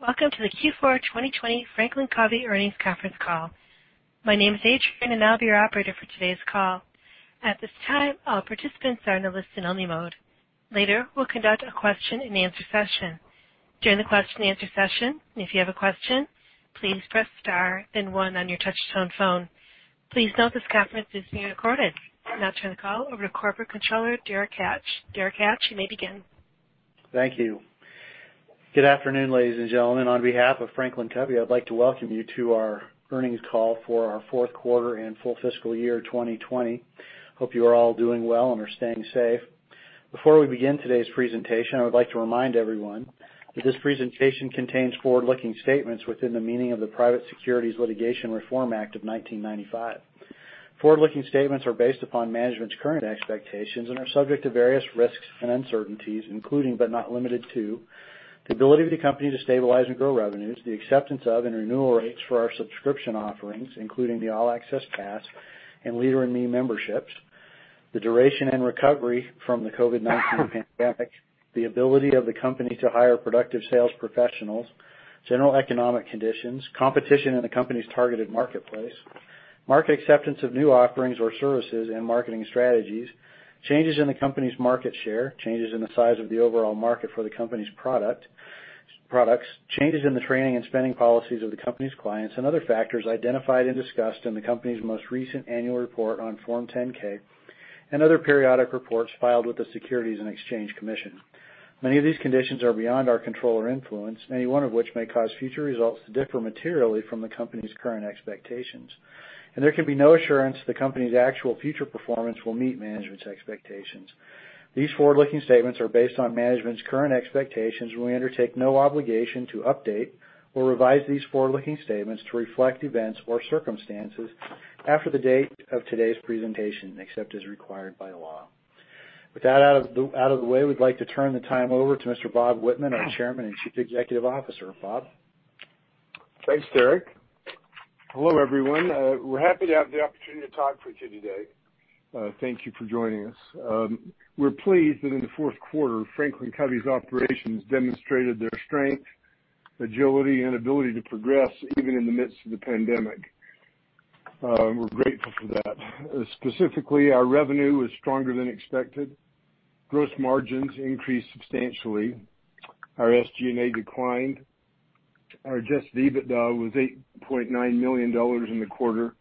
Welcome to the Q4 2020 Franklin Covey Earnings Conference Call. My name is Adrienne, and I'll be your Operator for today's call. At this time, all participants are in a listen-only mode. Later, we'll conduct a question and answer session. During the question answer session, if you have a question, please press star then one on your touch-tone phone. Please note this conference is being recorded. I'll now turn the call over to Corporate Controller, Derek Hatch. Derek Hatch, you may begin. Thank you. Good afternoon, ladies and gentlemen. On behalf of Franklin Covey, I'd like to welcome you to our earnings call for our fourth quarter and full fiscal year 2020. Hope you are all doing well and are staying safe. Before we begin today's presentation, I would like to remind everyone that this presentation contains forward-looking statements within the meaning of the Private Securities Litigation Reform Act of 1995. Forward-looking statements are based upon management's current expectations and are subject to various risks and uncertainties, including, but not limited to, the ability of the company to stabilize and grow revenues, the acceptance of and renewal rates for our subscription offerings, including the All Access Pass and Leader in Me memberships, the duration and recovery from the COVID-19 pandemic, the ability of the company to hire productive sales professionals, general economic conditions, competition in the company's targeted marketplace, market acceptance of new offerings or services and marketing strategies, changes in the company's market share, changes in the size of the overall market for the company's products, changes in the training and spending policies of the company's clients, and other factors identified and discussed in the company's most recent annual report on Form 10-K and other periodic reports filed with the Securities and Exchange Commission. Many of these conditions are beyond our control or influence, any one of which may cause future results to differ materially from the company's current expectations, and there can be no assurance the company's actual future performance will meet management's expectations. These forward-looking statements are based on management's current expectations, and we undertake no obligation to update or revise these forward-looking statements to reflect events or circumstances after the date of today's presentation, except as required by law. With that out of the way, we'd like to turn the time over to Mr. Bob Whitman, our Chairman and Chief Executive Officer. Bob? Thanks, Derek. Hello, everyone. We're happy to have the opportunity to talk with you today. Thank you for joining us. We're pleased that in the fourth quarter, Franklin Covey's operations demonstrated their strength, agility, and ability to progress even in the midst of the pandemic. We're grateful for that. Specifically, our revenue was stronger than expected. Gross margins increased substantially. Our SG&A declined. Our Adjusted EBITDA was $8.9 million in the quarter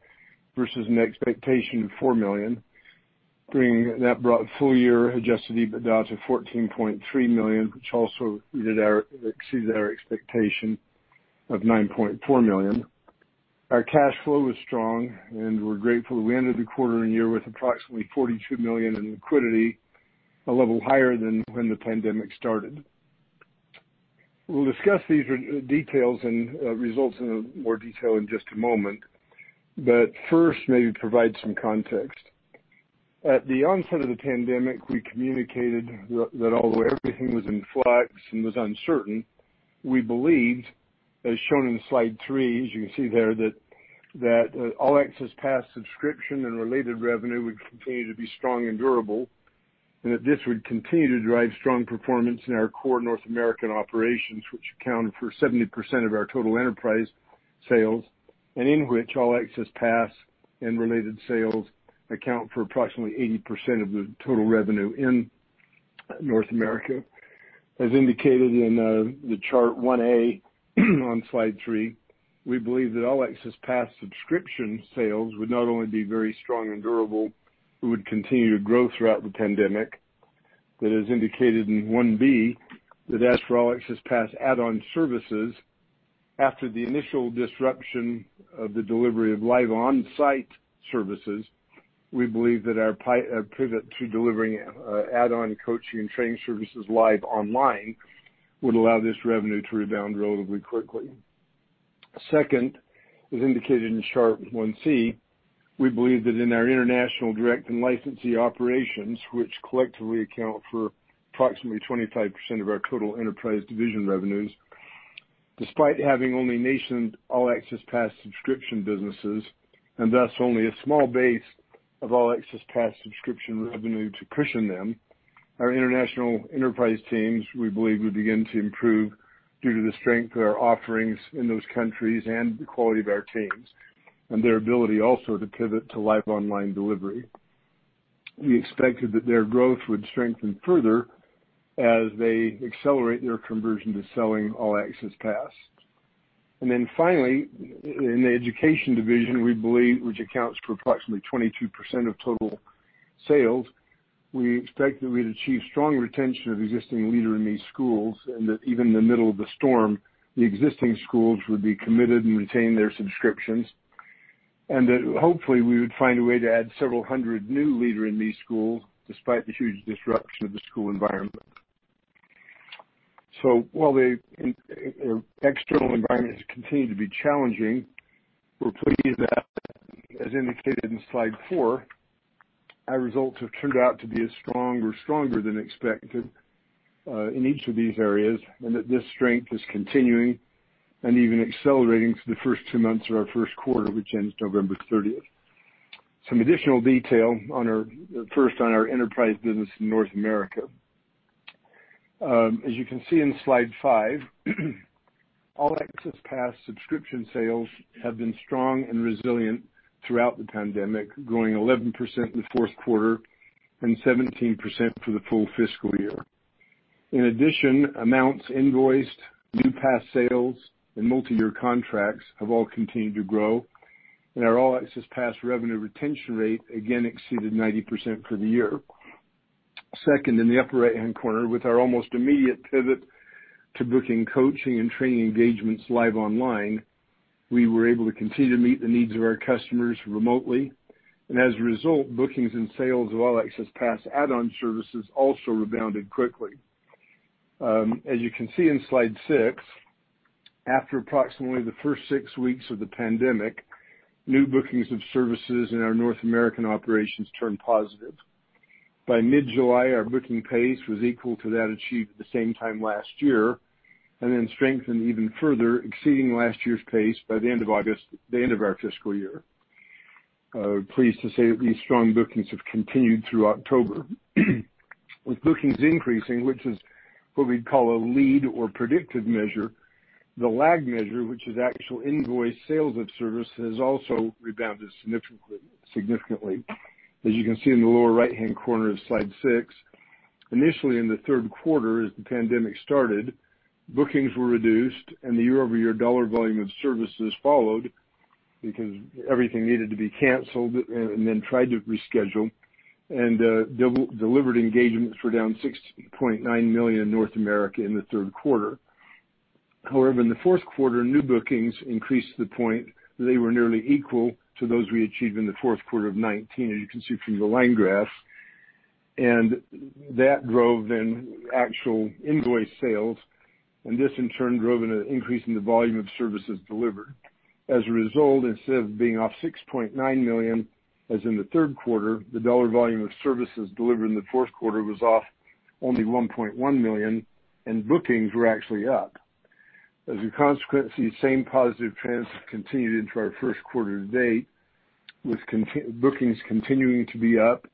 versus an expectation of $4 million. That brought full-year Adjusted EBITDA to $14.3 million, which also exceeded our expectation of $9.4 million. Our cash flow was strong, and we're grateful we ended the quarter and year with approximately $42 million in liquidity, a level higher than when the pandemic started. We'll discuss these details and results in more detail in just a moment. First, maybe provide some context. At the onset of the pandemic, we communicated that although everything was in flux and was uncertain, we believed, as shown in slide three, as you can see there, that All Access Pass subscription and related revenue would continue to be strong and durable, and that this would continue to drive strong performance in our core North American operations, which account for 70% of our total enterprise sales, and in which All Access Pass and related sales account for approximately 80% of the total revenue in North America. As indicated in the chart 1A on slide three, we believe that All Access Pass subscription sales would not only be very strong and durable, but would continue to grow throughout the pandemic. As indicated in 1B, that as for All Access Pass add-on services, after the initial disruption of the delivery of live on-site services, we believe that our pivot to delivering add-on coaching and training services live online would allow this revenue to rebound relatively quickly. Second, as indicated in chart 1C, we believe that in our international direct and licensee operations, which collectively account for approximately 25% of our total Enterprise Division revenues, despite having only nascent All Access Pass subscription businesses, and thus only a small base of All Access Pass subscription revenue to cushion them, our international enterprise teams, we believe, would begin to improve due to the strength of our offerings in those countries and the quality of our teams, and their ability also to pivot to live online delivery. We expected that their growth would strengthen further as they accelerate their conversion to selling All Access Pass. Then finally, in the education division, which accounts for approximately 22% of total sales, we expected we'd achieve strong retention of existing Leader in Me schools, and that even in the middle of the storm, the existing schools would be committed and retain their subscriptions. Hopefully, we would find a way to add several hundred new Leader in Me schools despite the huge disruption of the school environment. While the external environment has continued to be challenging, we're pleased that, as indicated in slide four, our results have turned out to be as strong or stronger than expected, in each of these areas, and that this strength is continuing and even accelerating through the first two months of our first quarter, which ends November 30th. Some additional detail, first on our enterprise business in North America. As you can see in slide five, All Access Pass subscription sales have been strong and resilient throughout the pandemic, growing 11% in the fourth quarter and 17% for the full fiscal year. In addition, amounts invoiced, new pass sales, and multi-year contracts have all continued to grow, and our All Access Pass revenue retention rate again exceeded 90% for the year. Second, in the upper right-hand corner, with our almost immediate pivot to booking coaching and training engagements live online, we were able to continue to meet the needs of our customers remotely, and as a result, bookings and sales of All Access Pass add-on services also rebounded quickly. As you can see in slide six, after approximately the first six weeks of the pandemic, new bookings of services in our North American operations turned positive. By mid-July, our booking pace was equal to that achieved at the same time last year, and then strengthened even further, exceeding last year's pace by the end of our fiscal year. Pleased to say that these strong bookings have continued through October. With bookings increasing, which is what we'd call a lead or predicted measure, the lag measure, which is actual invoiced sales of service, has also rebounded significantly. As you can see in the lower right-hand corner of slide six, initially in the third quarter, as the pandemic started, bookings were reduced and the year-over-year dollar volume of services followed because everything needed to be canceled and then tried to reschedule. Delivered engagements were down $6.9 million in North America in the third quarter. However, in the fourth quarter, new bookings increased to the point that they were nearly equal to those we achieved in the fourth quarter of 2019, as you can see from the line graph. That drove then actual invoice sales, and this in turn drove an increase in the volume of services delivered. As a result, instead of being off $6.9 million, as in the third quarter, the dollar volume of services delivered in the fourth quarter was off only $1.1 million and bookings were actually up. As a consequence, these same positive trends have continued into our first quarter to date, with bookings continuing to be up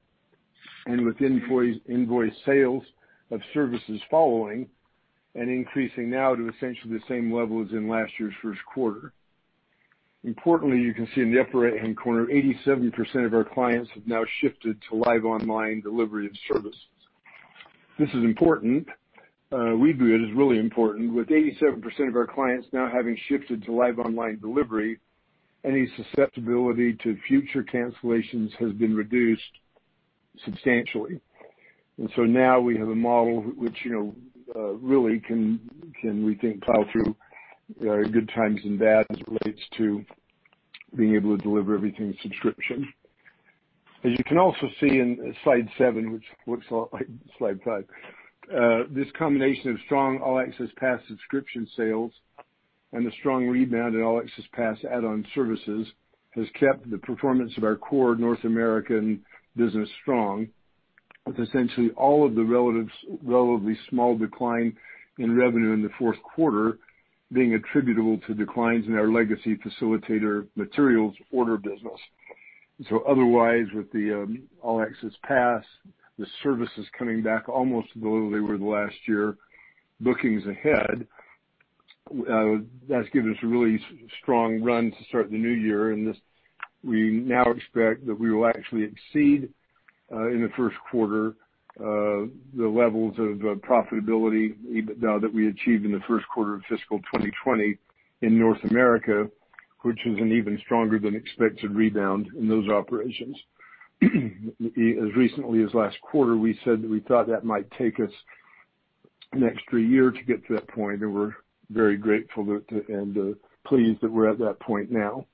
and with invoice sales of services following and increasing now to essentially the same level as in last year's first quarter. Importantly, you can see in the upper right-hand corner, 87% of our clients have now shifted to live online delivery of services. This is important. We view it as really important. With 87% of our clients now having shifted to live online delivery, any susceptibility to future cancellations has been reduced substantially. Now we have a model which really can, we think, plow through good times and bad as it relates to being able to deliver everything as subscription. As you can also see in slide seven, which looks a lot like slide five, this combination of strong All Access Pass subscription sales and the strong rebound in All Access Pass add-on services has kept the performance of our core North American business strong. With essentially all of the relatively small decline in revenue in the fourth quarter being attributable to declines in our legacy facilitator materials order business. Otherwise, with the All Access Pass, the services coming back almost to the level they were the last year, bookings ahead, that's given us a really strong run to start the new year, and we now expect that we will actually exceed, in the first quarter, the levels of profitability that we achieved in the first quarter of fiscal 2020 in North America, which is an even stronger than expected rebound in those operations. As recently as last quarter, we said that we thought that might take us an extra year to get to that point, and we're very grateful and pleased that we're at that point now.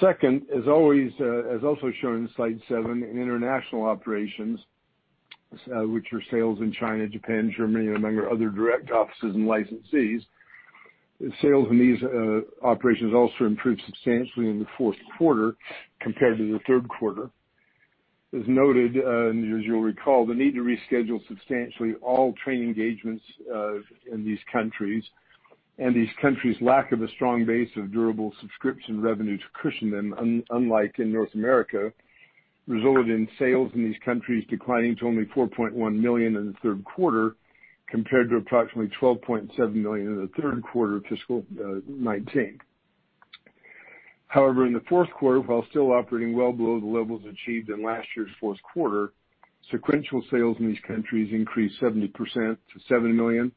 Second, as also shown in slide seven, international operations, which are sales in China, Japan, Germany, among our other direct offices and licensees, sales in these operations also improved substantially in the fourth quarter compared to the third quarter. As noted, and as you'll recall, the need to reschedule substantially all training engagements in these countries, and these countries' lack of a strong base of durable subscription revenue to cushion them, unlike in North America, resulted in sales in these countries declining to only $4.1 million in the third quarter, compared to approximately $12.7 million in the third quarter of fiscal 2019. However, in the fourth quarter, while still operating well below the levels achieved in last year's fourth quarter, sequential sales in these countries increased 70% to $7 million,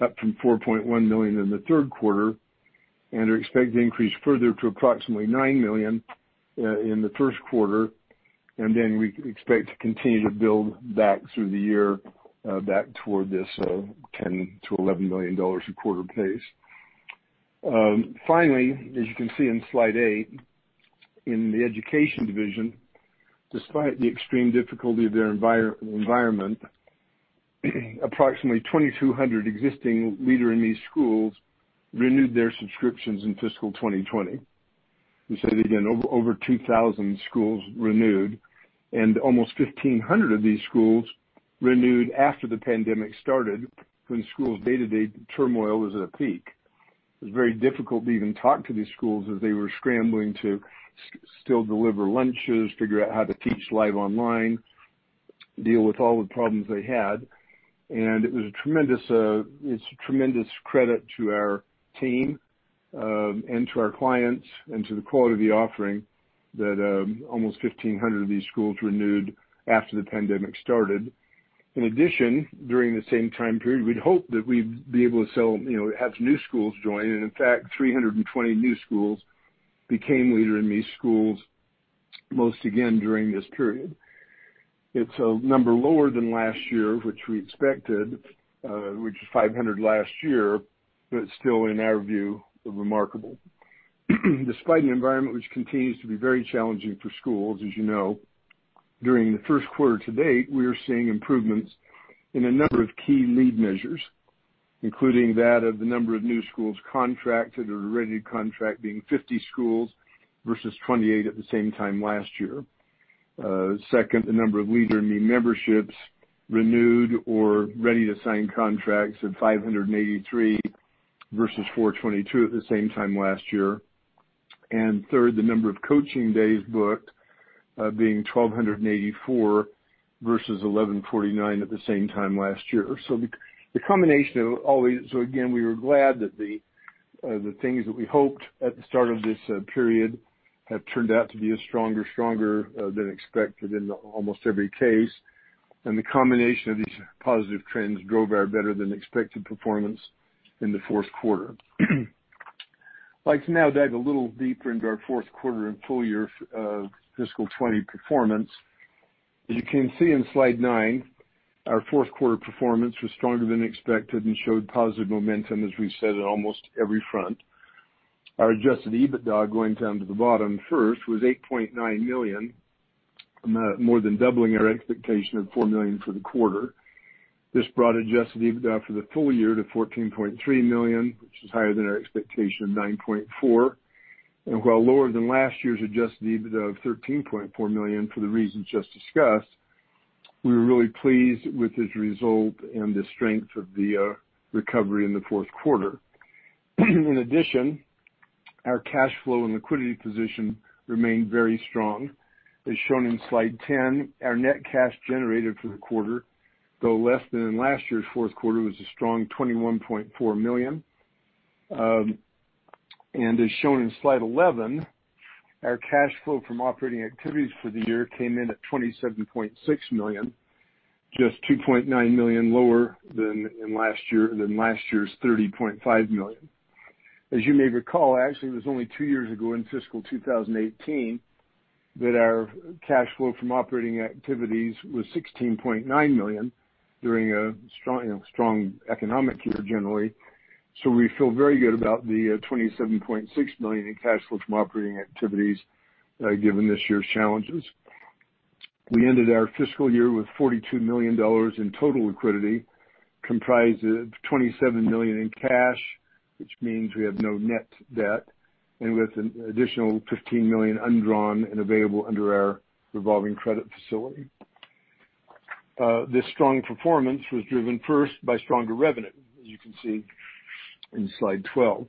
up from $4.1 million in the third quarter, and are expected to increase further to approximately $9 million in the first quarter. We expect to continue to build back through the year, back toward this $10 million-$11 million a quarter pace. Finally, as you can see in slide eight, in the Education Division, despite the extreme difficulty of their environment, approximately 2,200 existing Leader in Me schools renewed their subscriptions in fiscal 2020. We say it again, over 2,000 schools renewed, and almost 1,500 of these schools renewed after the pandemic started, when schools' day-to-day turmoil was at a peak. It was very difficult to even talk to these schools as they were scrambling to still deliver lunches, figure out how to teach live online, deal with all the problems they had. It's a tremendous credit to our team, and to our clients, and to the quality of the offering that almost 1,500 of these schools renewed after the pandemic started. In addition, during the same time period, we'd hope that we'd be able to have new schools join. In fact, 320 new schools became Leader in Me schools, most again during this period. It's a number lower than last year, which we expected, which was 500 last year, still in our view, remarkable. Despite an environment which continues to be very challenging for schools, as you know, during the first quarter to date, we are seeing improvements in a number of key lead measures, including that of the number of new schools contracted or ready to contract being 50 schools versus 28 at the same time last year. Second, the number of Leader in Me memberships renewed or ready to sign contracts at 583 versus 422 at the same time last year. Third, the number of coaching days booked being 1,284 versus 1,149 at the same time last year. Again, we were glad that the things that we hoped at the start of this period have turned out to be stronger than expected in almost every case. The combination of these positive trends drove our better than expected performance in the fourth quarter. I'd like to now dive a little deeper into our fourth quarter and full year fiscal 2020 performance. As you can see in slide nine, our fourth quarter performance was stronger than expected and showed positive momentum, as we said, on almost every front. Our Adjusted EBITDA, going down to the bottom first, was $8.9 million, more than doubling our expectation of $4 million for the quarter. This brought Adjusted EBITDA for the full year to $14.3 million, which is higher than our expectation of $9.4 million. While lower than last year's Adjusted EBITDA of $13.4 million for the reasons just discussed, we were really pleased with this result and the strength of the recovery in the fourth quarter. In addition, our cash flow and liquidity position remained very strong. As shown in slide 10, our net cash generated for the quarter, though less than in last year's fourth quarter, was a strong $21.4 million. As shown in slide 11, our cash flow from operating activities for the year came in at $27.6 million, just $2.9 million lower than last year's $30.5 million. As you may recall, actually, it was only two years ago in fiscal 2018 that our cash flow from operating activities was $16.9 million during a strong economic year generally. We feel very good about the $27.6 million in cash flow from operating activities given this year's challenges. We ended our fiscal year with $42 million in total liquidity, comprised of $27 million in cash, which means we have no net debt, and with an additional $15 million undrawn and available under our revolving credit facility. This strong performance was driven first by stronger revenue, as you can see in slide 12.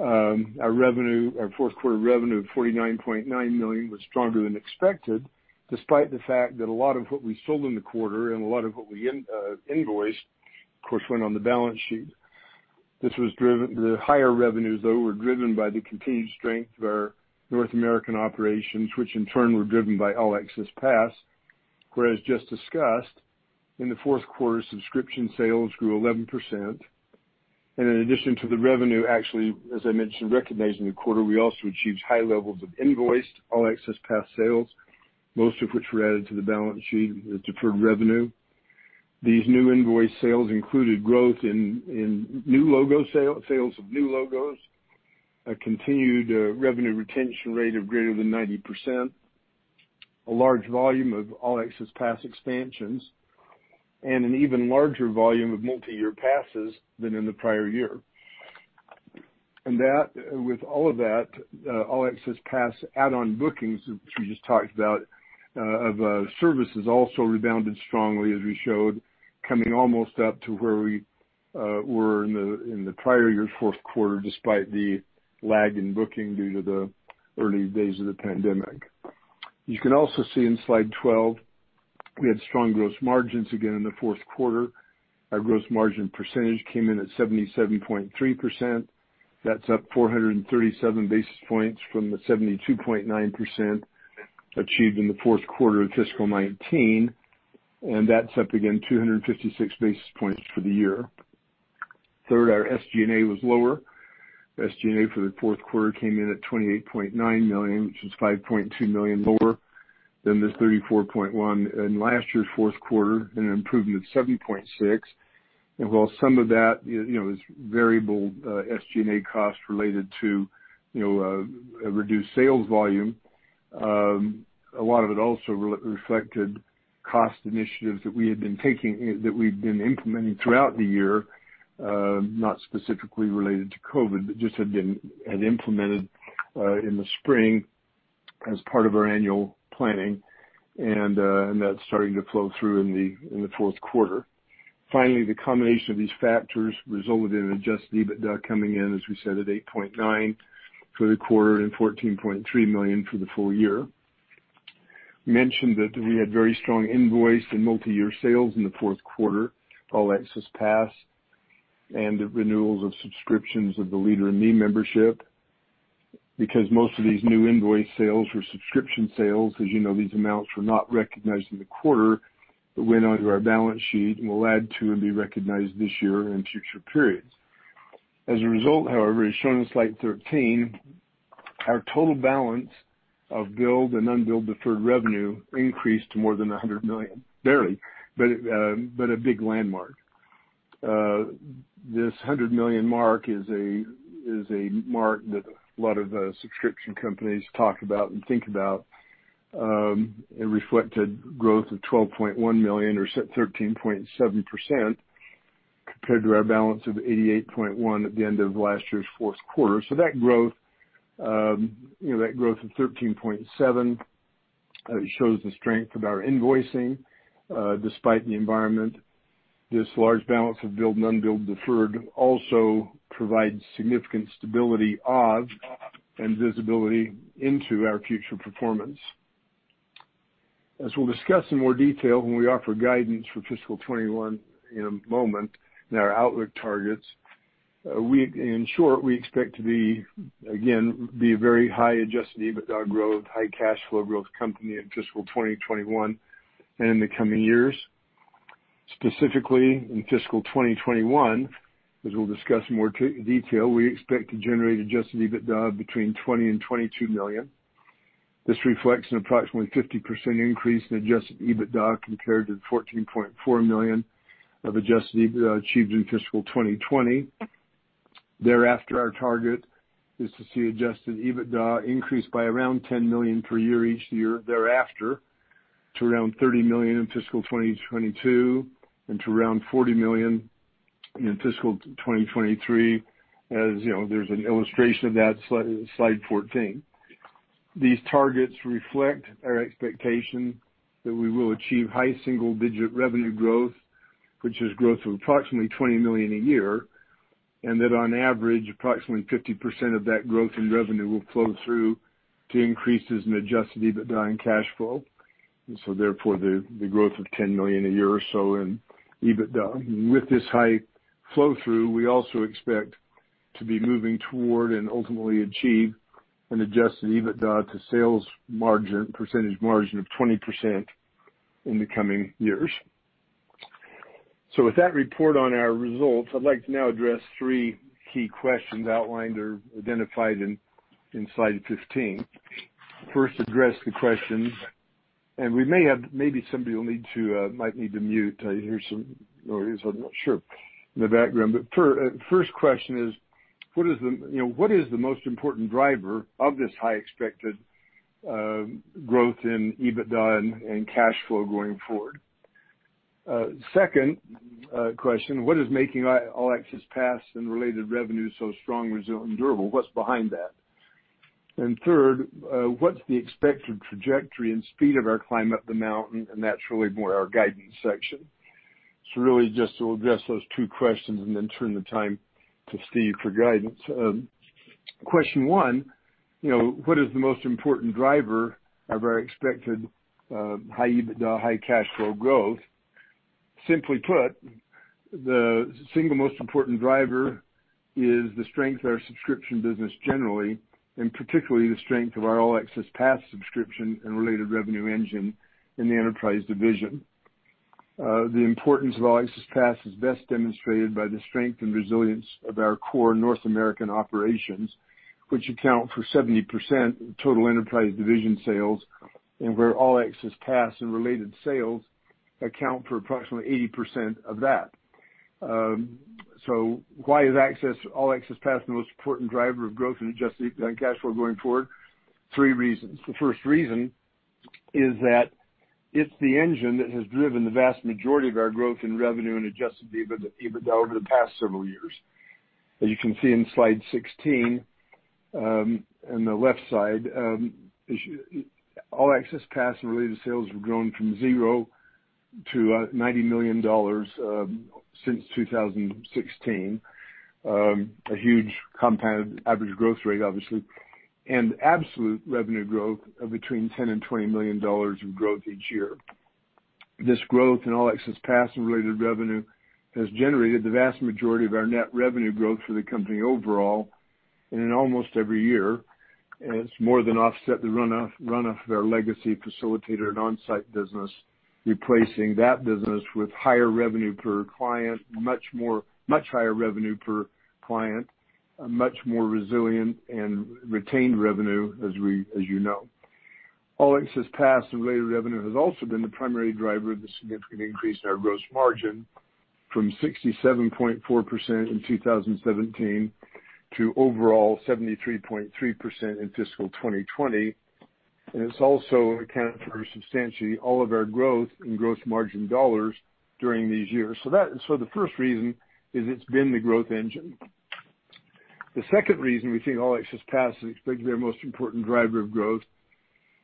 Our fourth quarter revenue of $49.9 million was stronger than expected, despite the fact that a lot of what we sold in the quarter and a lot of what we invoiced, of course, went on the balance sheet. The higher revenues, though, were driven by the continued strength of our North American operations, which in turn were driven by All Access Pass. Just discussed, in the fourth quarter, subscription sales grew 11%. In addition to the revenue, actually, as I mentioned, recognized in the quarter, we also achieved high levels of invoiced All Access Pass sales, most of which were added to the balance sheet as deferred revenue. These new invoice sales included growth in new logo sales of new logos, a continued revenue retention rate of greater than 90%, a large volume of All Access Pass expansions, and an even larger volume of multi-year passes than in the prior year. With all of that All Access Pass add-on bookings, which we just talked about, of services also rebounded strongly as we showed, coming almost up to where we were in the prior year's fourth quarter, despite the lag in booking due to the early days of the pandemic. You can also see in slide 12, we had strong gross margins again in the fourth quarter. Our gross margin percentage came in at 77.3%. That's up 437 basis points from the 72.9% achieved in the fourth quarter of FY 2019, and that's up again 256 basis points for the year. Third, our SG&A was lower. SG&A for the fourth quarter came in at $28.9 million, which is $5.2 million lower than the $34.1 in last year's fourth quarter and an improvement of 7.6. While some of that is variable SG&A costs related to reduced sales volume, a lot of it also reflected cost initiatives that we'd been implementing throughout the year, not specifically related to COVID, but just had been implemented in the spring as part of our annual planning, and that's starting to flow through in the fourth quarter. Finally, the combination of these factors resulted in Adjusted EBITDA coming in, as we said, at $8.9 for the quarter and $14.3 million for the full year. We mentioned that we had very strong invoice and multi-year sales in the fourth quarter, All Access Pass, and the renewals of subscriptions of the Leader in Me membership. Most of these new invoice sales were subscription sales, as you know, these amounts were not recognized in the quarter but went onto our balance sheet and will add to and be recognized this year and future periods. As a result, however, as shown in slide 13, our total balance of billed and unbilled deferred revenue increased to more than $100 million. Barely, but a big landmark. This $100 million mark is a mark that a lot of subscription companies talk about and think about, and reflected growth of $12.1 million or 13.7% compared to our balance of $88.1 at the end of last year's fourth quarter. That growth of 13.7% shows the strength of our invoicing despite the environment. This large balance of billed and unbilled deferred also provides significant stability of and visibility into our future performance. As we'll discuss in more detail when we offer guidance for fiscal 2021 in a moment and our outlook targets, in short, we expect to, again, be a very high Adjusted EBITDA growth, high cash flow growth company in fiscal 2021 and in the coming years. Specifically, in fiscal 2021, as we'll discuss in more detail, we expect to generate Adjusted EBITDA between $20 million and $22 million. This reflects an approximately 50% increase in Adjusted EBITDA compared to the $14.4 million of Adjusted EBITDA achieved in fiscal 2020. Thereafter, our target is to see Adjusted EBITDA increase by around $10 million per year each year thereafter, to around $30 million in fiscal 2022 and to around $40 million in fiscal 2023, as there's an illustration of that, slide 14. These targets reflect our expectation that we will achieve high single-digit revenue growth, which is growth of approximately $20 million a year, and that on average, approximately 50% of that growth in revenue will flow through to increases in Adjusted EBITDA and cash flow. The growth of $10 million a year or so in EBITDA. With this high flow-through, we also expect to be moving toward and ultimately achieve an Adjusted EBITDA to sales margin, percentage margin of 20% in the coming years. With that report on our results, I'd like to now address three key questions outlined or identified in slide 15. First address the questions, and maybe somebody might need to mute. I hear some noises, I'm not sure, in the background. First question is: What is the most important driver of this high expected growth in EBITDA and cash flow going forward? Second question: What is making All Access Pass and related revenue so strong, resilient, and durable? What's behind that? Third, what's the expected trajectory and speed of our climb up the mountain? That's really more our guidance section. Really just to address those two questions and then turn the time to Steve for guidance. Question one, what is the most important driver of our expected high EBITDA, high cash flow growth? Simply put, the single most important driver is the strength of our subscription business generally, and particularly the strength of our All Access Pass subscription and related revenue engine in the enterprise division. The importance of All Access Pass is best demonstrated by the strength and resilience of our core North American operations, which account for 70% of total enterprise division sales, and where All Access Pass and related sales account for approximately 80% of that. Why is All Access Pass the most important driver of growth in Adjusted EBITDA and cash flow going forward? three reasons. The first reason is that it's the engine that has driven the vast majority of our growth in revenue and Adjusted EBITDA over the past several years. As you can see in slide 16, on the left side, All Access Pass and related sales have grown from zero to $90 million since 2016. A huge compounded average growth rate, obviously, and absolute revenue growth of between $10 million-$20 million of growth each year. This growth in All Access Pass and related revenue has generated the vast majority of our net revenue growth for the company overall, and in almost every year, it's more than offset the runoff of our legacy facilitator and on-site business, replacing that business with higher revenue per client, much higher revenue per client, much more resilient and retained revenue as you know. All Access Pass and related revenue has also been the primary driver of the significant increase in our gross margin from 67.4% in 2017 to overall 73.3% in fiscal 2020, and it's also accounted for substantially all of our growth in gross margin dollars during these years. The first reason is it's been the growth engine. The second reason we think All Access Pass is expected to be our most important driver of growth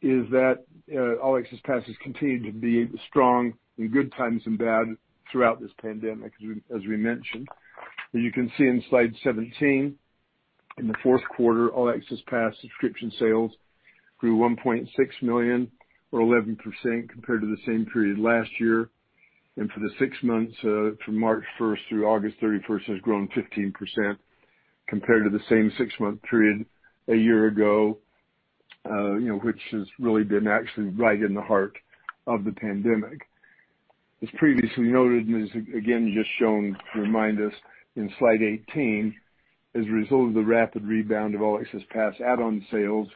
is that All Access Passes continue to be strong in good times and bad throughout this pandemic, as we mentioned. As you can see in slide 17, in the fourth quarter, All Access Pass subscription sales grew $1.6 million or 11% compared to the same period last year. For the six months from March 1st through August 31st, has grown 15% compared to the same six-month period a year ago, which has really been actually right in the heart of the pandemic. As previously noted, and is again just shown to remind us in slide 18, as a result of the rapid rebound of All Access Pass add-on sales,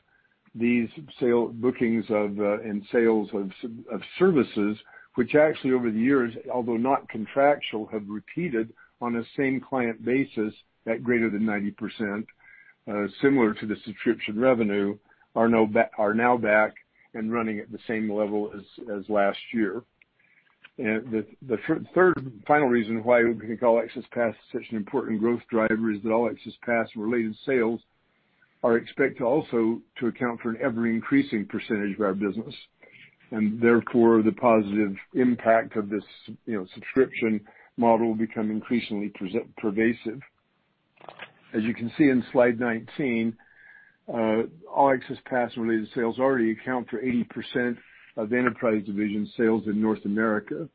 these bookings and sales of services, which actually over the years, although not contractual, have repeated on a same-client basis at greater than 90%, similar to the subscription revenue, are now back and running at the same level as last year. The third and final reason why we think All Access Pass is such an important growth driver is that All Access Pass-related sales are expected also to account for an ever-increasing percentage of our business, and therefore, the positive impact of this subscription model will become increasingly pervasive. As you can see in slide 19, All Access Pass-related sales already account 80% of the Enterprise Division sales in North America.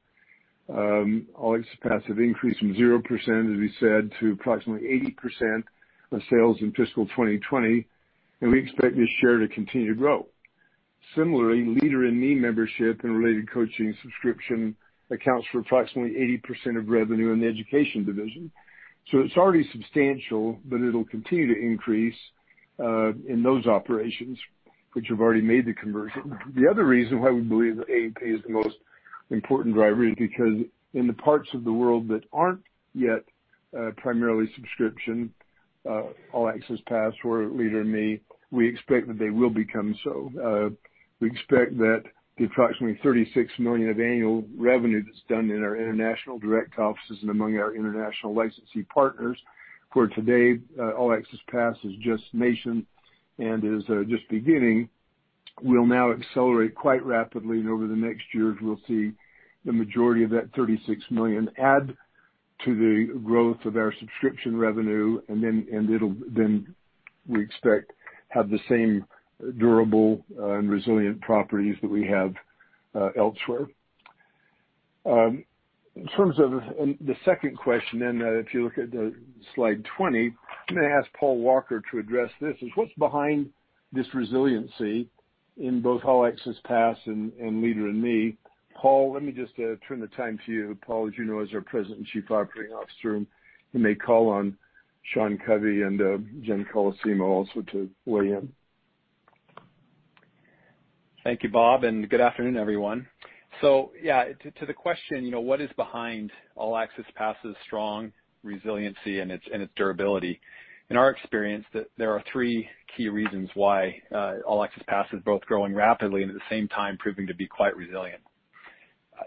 All Access Pass have increased from 0%, as we said, to approximately 80% of sales in fiscal 2020. We expect this share to continue to grow. Similarly, Leader in Me membership and related coaching subscription accounts for approximately 80% of revenue in the education division. It's already substantial, but it'll continue to increase in those operations which have already made the conversion. The other reason why we believe AAP is the most important driver is because in the parts of the world that aren't yet primarily subscription, All Access Pass or Leader in Me, we expect that they will become so. We expect that the approximately $36 million of annual revenue that's done in our international direct offices and among our international licensee partners, where today All Access Pass is just nascent and is just beginning, will now accelerate quite rapidly, and over the next years, we'll see the majority of that $36 million add to the growth of our subscription revenue, and it'll then, we expect, have the same durable and resilient properties that we have elsewhere. In terms of the second question then, if you look at slide 20, I'm going to ask Paul Walker to address this, is what's behind this resiliency in both All Access Pass and Leader in Me? Paul, let me just turn the time to you. Paul, as you know, is our president and chief operating officer. You may call on Sean Covey and Jenn Colosimo also to weigh in. Thank you, Bob, and good afternoon, everyone. Yeah, to the question, what is behind All Access Pass' strong resiliency and its durability? In our experience, there are three key reasons why All Access Pass is both growing rapidly and, at the same time, proving to be quite resilient.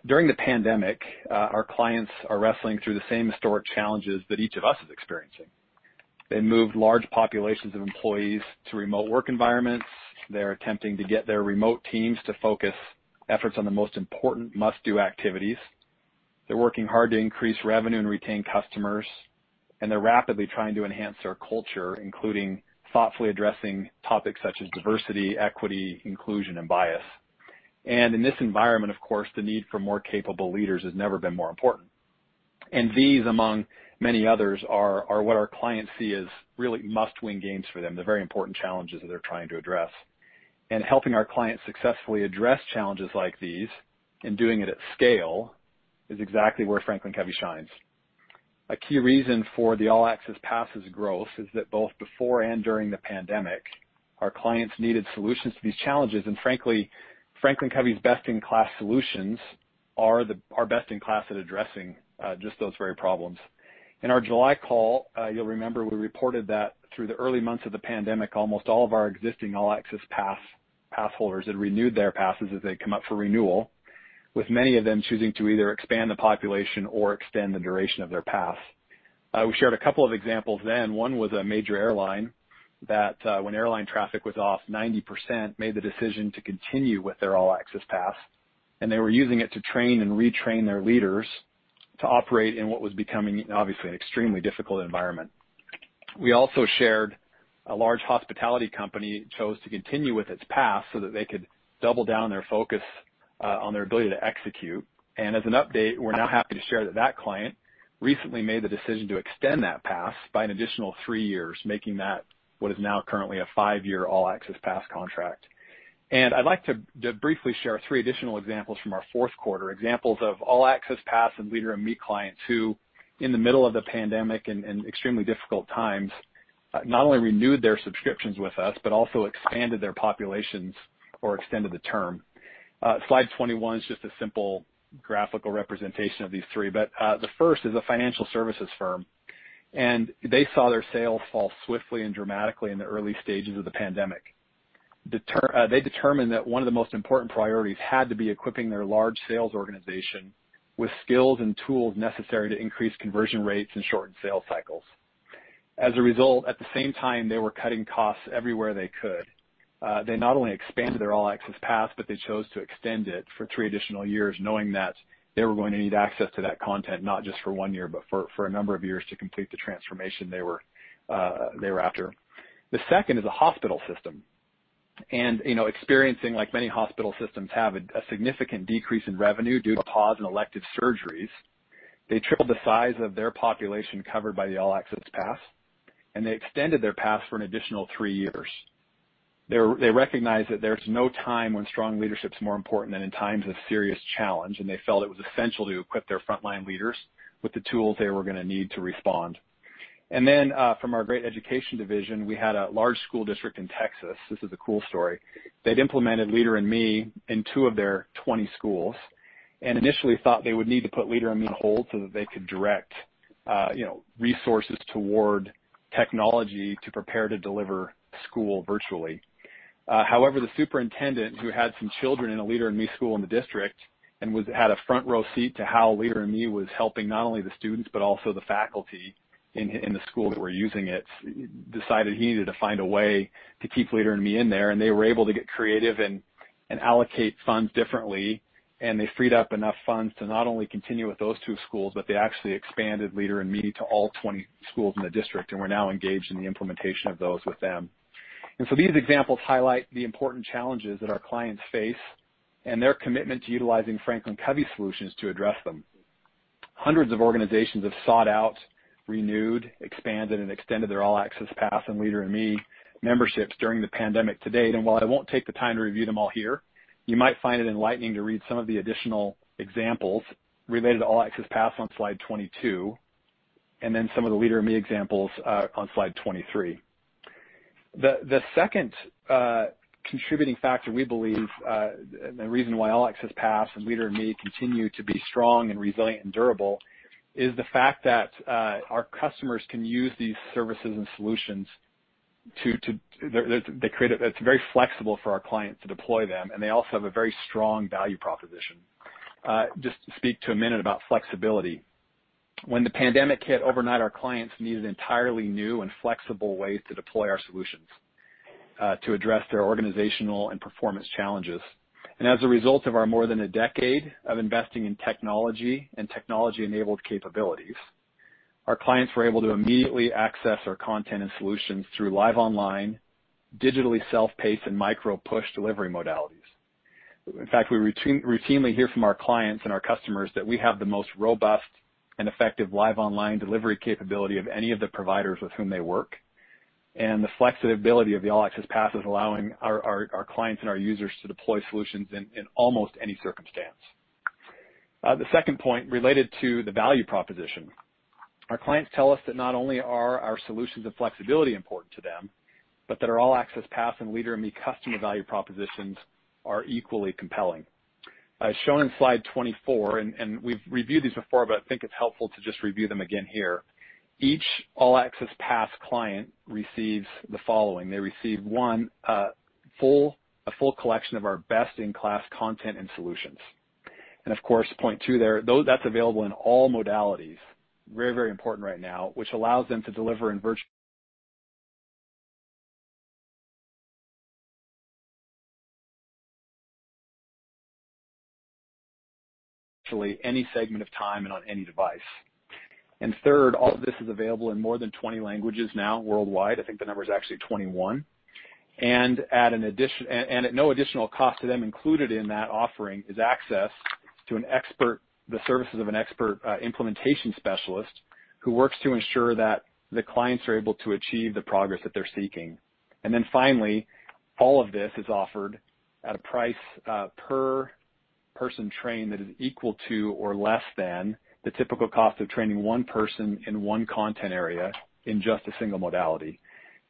During the pandemic, our clients are wrestling through the same historic challenges that each of us is experiencing. They moved large populations of employees to remote work environments. They're attempting to get their remote teams to focus efforts on the most important must-do activities. They're working hard to increase revenue and retain customers, and they're rapidly trying to enhance their culture, including thoughtfully addressing topics such as diversity, equity, inclusion, and bias. In this environment, of course, the need for more capable leaders has never been more important. These, among many others, are what our clients see as really must-win games for them. They're very important challenges that they're trying to address. Helping our clients successfully address challenges like these and doing it at scale is exactly where FranklinCovey shines. A key reason for the All Access Pass' growth is that both before and during the pandemic, our clients needed solutions to these challenges, and frankly, FranklinCovey's best-in-class solutions are best in class at addressing just those very problems. In our July call, you'll remember we reported that through the early months of the pandemic, almost all of our existing All Access Pass holders had renewed their passes as they come up for renewal, with many of them choosing to either expand the population or extend the duration of their pass. We shared a couple of examples then. One was a major airline that, when airline traffic was off 90%, made the decision to continue with their All Access Pass. They were using it to train and retrain their leaders to operate in what was becoming, obviously, an extremely difficult environment. We also shared a large hospitality company chose to continue with its pass so that they could double down their focus on their ability to execute. As an update, we're now happy to share that that client recently made the decision to extend that pass by an additional three years, making that what is now currently a five-year All Access Pass contract. I'd like to briefly share three additional examples from our fourth quarter, examples of All Access Pass and Leader in Me clients who, in the middle of the pandemic and extremely difficult times, not only renewed their subscriptions with us but also expanded their populations or extended the term. Slide 21 is just a simple graphical representation of these three, but the first is a financial services firm, and they saw their sales fall swiftly and dramatically in the early stages of the pandemic. They determined that one of the most important priorities had to be equipping their large sales organization with skills and tools necessary to increase conversion rates and shorten sales cycles. As a result, at the same time, they were cutting costs everywhere they could. They not only expanded their All Access Pass, they chose to extend it for three additional years, knowing that they were going to need access to that content not just for one year, but for a number of years to complete the transformation they were after. The second is a hospital system, experiencing like many hospital systems have, a significant decrease in revenue due to pause in elective surgeries. They tripled the size of their population covered by the All Access Pass, they extended their pass for an additional three years. They recognized that there's no time when strong leadership's more important than in times of serious challenge, they felt it was essential to equip their frontline leaders with the tools they were going to need to respond. From our great education division, we had a large school district in Texas. This is a cool story. They'd implemented Leader in Me in 20 of their schools, and initially thought they would need to put Leader in Me on hold so that they could direct resources toward technology to prepare to deliver school virtually. However, the superintendent, who had some children in a Leader in Me school in the district and had a front row seat to how Leader in Me was helping not only the students but also the faculty in the school that were using it, decided he needed to find a way to keep Leader in Me in there, and they were able to get creative and allocate funds differently. They freed up enough funds to not only continue with those two schools, but they actually expanded Leader in Me to all 20 schools in the district, and we're now engaged in the implementation of those with them. These examples highlight the important challenges that our clients face and their commitment to utilizing FranklinCovey solutions to address them. Hundreds of organizations have sought out, renewed, expanded, and extended their All Access Pass and Leader in Me memberships during the pandemic to date. While I won't take the time to review them all here, you might find it enlightening to read some of the additional examples related to All Access Pass on slide 22, and then some of the Leader in Me examples on slide 23. The second contributing factor, we believe, and the reason why All Access Pass and Leader in Me continue to be strong and resilient and durable, is the fact that our customers can use these services and solutions. It's very flexible for our clients to deploy them, and they also have a very strong value proposition. Just to speak to a minute about flexibility. When the pandemic hit overnight, our clients needed entirely new and flexible ways to deploy our solutions to address their organizational and performance challenges. As a result of our more than a decade of investing in technology and technology-enabled capabilities, our clients were able to immediately access our content and solutions through live online, digitally self-paced, and micro-push delivery modalities. In fact, we routinely hear from our clients and our customers that we have the most robust and effective live online delivery capability of any of the providers with whom they work, the flexibility of the All Access Pass is allowing our clients and our users to deploy solutions in almost any circumstance. The second point related to the value proposition. Our clients tell us that not only are our solutions and flexibility important to them, but that our All Access Pass and Leader in Me customer value propositions are equally compelling. As shown in slide 24, we've reviewed these before, but I think it's helpful to just review them again here. Each All Access Pass client receives the following: They receive, one, a full collection of our best-in-class content and solutions. Of course, point two there, that's available in all modalities, very important right now, which allows them to deliver virtually any segment of time and on any device. Third, all of this is available in more than 20 languages now worldwide. I think the number is actually 21. At no additional cost to them, included in that offering is access to the services of an expert implementation specialist who works to ensure that the clients are able to achieve the progress that they're seeking. Finally, all of this is offered at a price per person trained that is equal to or less than the typical cost of training one person in one content area in just a single modality.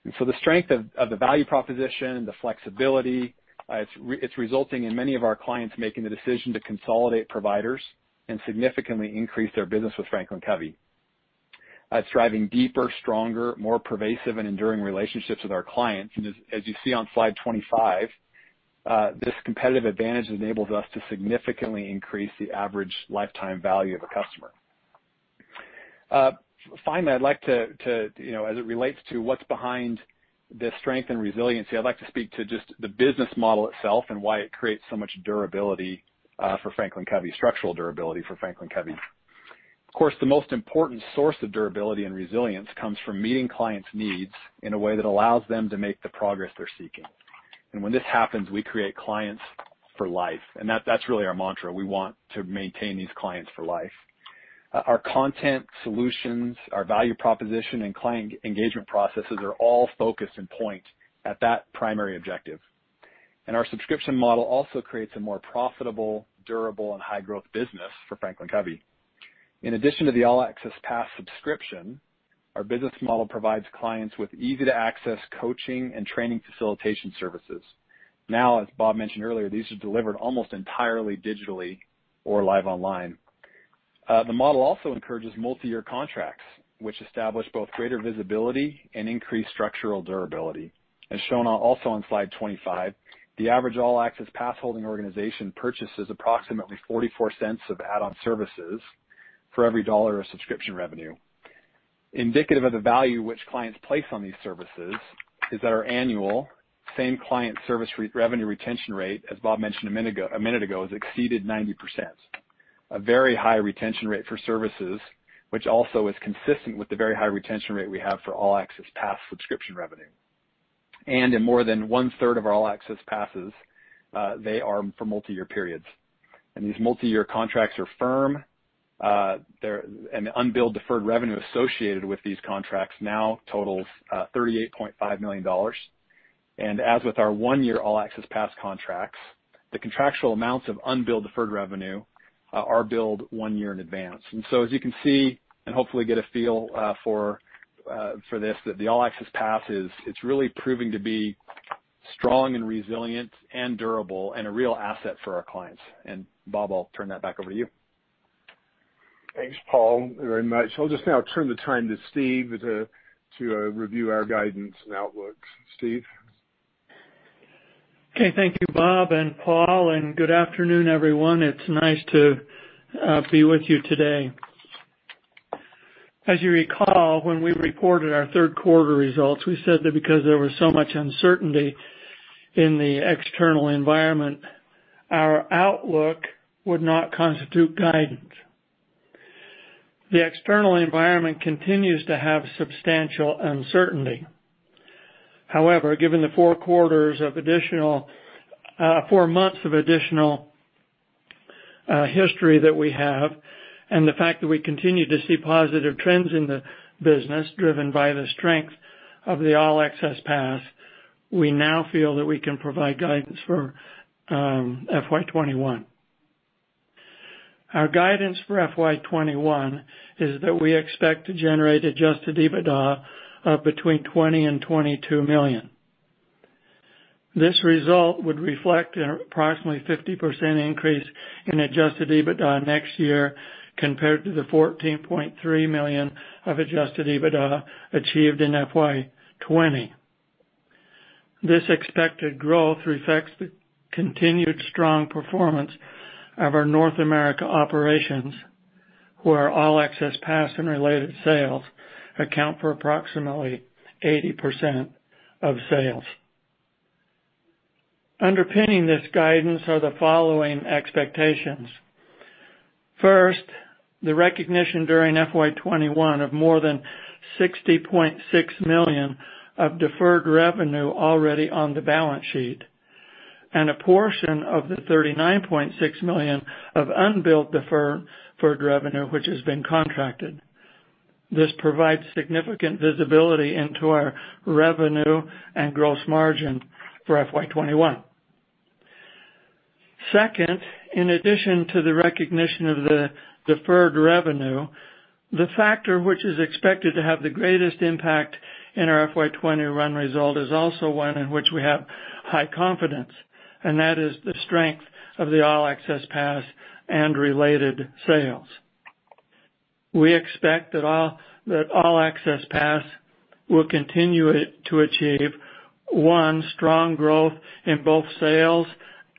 The strength of the value proposition, the flexibility, it's resulting in many of our clients making the decision to consolidate providers and significantly increase their business with FranklinCovey. It's driving deeper, stronger, more pervasive, and enduring relationships with our clients. As you see on slide 25, this competitive advantage enables us to significantly increase the average lifetime value of a customer. Finally, I'd like to, as it relates to what's behind the strength and resiliency, I'd like to speak to just the business model itself and why it creates so much durability for FranklinCovey, structural durability for FranklinCovey. Of course, the most important source of durability and resilience comes from meeting clients' needs in a way that allows them to make the progress they're seeking. When this happens, we create clients for life, and that's really our mantra. We want to maintain these clients for life. Our content solutions, our value proposition, and client engagement processes are all focused and point at that primary objective. Our subscription model also creates a more profitable, durable, and high-growth business for FranklinCovey. In addition to the All Access Pass subscription, our business model provides clients with easy-to-access coaching and training facilitation services. As Bob mentioned earlier, these are delivered almost entirely digitally or live online. The model also encourages multi-year contracts, which establish both greater visibility and increased structural durability. As shown also on slide 25, the average All Access Pass holding organization purchases approximately $0.44 of add-on services for every $1 of subscription revenue. Indicative of the value which clients place on these services is that our annual same client service revenue retention rate, as Bob mentioned a minute ago, has exceeded 90%. A very high retention rate for services, which also is consistent with the very high retention rate we have for All Access Pass subscription revenue. In more than one-third of our All Access Passes, they are for multi-year periods. These multi-year contracts are firm. The unbilled deferred revenue associated with these contracts now totals $38.5 million. As with our one-year All Access Pass contracts, the contractual amounts of unbilled deferred revenue are billed one year in advance. So as you can see, and hopefully get a feel for this, that the All Access Pass, it's really proving to be strong and resilient and durable and a real asset for our clients. Bob, I'll turn that back over to you. Thanks, Paul, very much. I'll just now turn the time to Steve to review our guidance and outlook. Steve? Okay. Thank you, Bob and Paul, good afternoon, everyone. It's nice to be with you today. As you recall, when we reported our third quarter results, we said that because there was so much uncertainty in the external environment, our outlook would not constitute guidance. The external environment continues to have substantial uncertainty. Given the four months of additional history that we have and the fact that we continue to see positive trends in the business driven by the strength of the All Access Pass, we now feel that we can provide guidance for FY 2021. Our guidance for FY 2021 is that we expect to generate Adjusted EBITDA of between $20 million and $22 million. This result would reflect an approximately 50% increase in Adjusted EBITDA next year compared to the $14.3 million of Adjusted EBITDA achieved in FY 2020. This expected growth reflects the continued strong performance of our North America operations, who our All Access Pass and related sales account for approximately 80% of sales. Underpinning this guidance are the following expectations. First, the recognition during FY 2021 of more than $60.6 million of deferred revenue already on the balance sheet, and a portion of the $39.6 million of unbilled deferred revenue, which has been contracted. This provides significant visibility into our revenue and gross margin for FY 2021. Second, in addition to the recognition of the deferred revenue, the factor which is expected to have the greatest impact in our FY 2020 run result is also one in which we have high confidence, and that is the strength of the All Access Pass and related sales. We expect that All Access Pass will continue to achieve: one, strong growth in both sales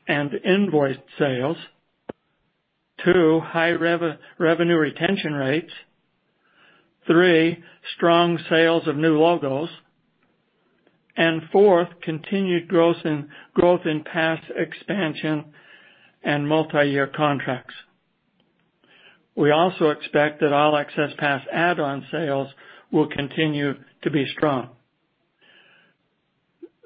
and invoiced sales. Two, high revenue retention rates. three, strong sales of new logos. Fourth, continued growth in pass expansion and multi-year contracts. We also expect that All Access Pass add-on sales will continue to be strong.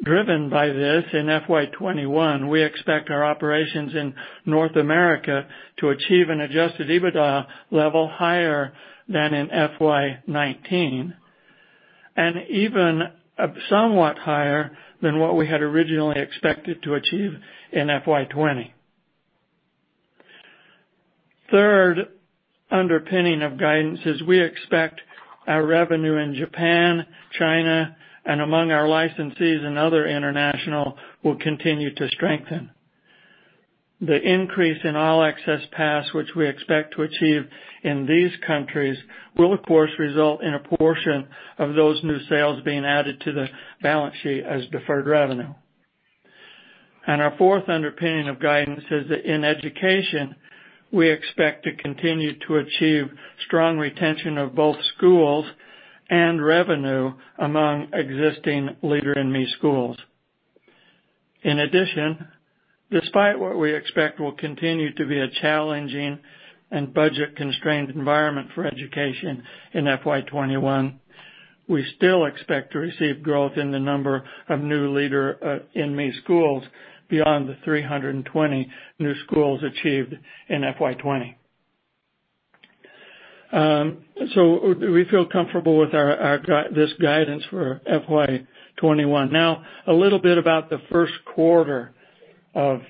Driven by this, in FY 2021, we expect our operations in North America to achieve an Adjusted EBITDA level higher than in FY 2019, and even somewhat higher than what we had originally expected to achieve in FY 2020. Third underpinning of guidance is we expect our revenue in Japan, China, and among our licensees and other international will continue to strengthen. The increase in All Access Pass which we expect to achieve in these countries will, of course, result in a portion of those new sales being added to the balance sheet as deferred revenue. Our fourth underpinning of guidance is that in education, we expect to continue to achieve strong retention of both schools and revenue among existing Leader in Me schools. In addition, despite what we expect will continue to be a challenging and budget-constrained environment for education in FY 2021, we still expect to receive growth in the number of new Leader in Me schools beyond the 320 new schools achieved in FY 2020. We feel comfortable with this guidance for FY 2021. A little bit about the first quarter of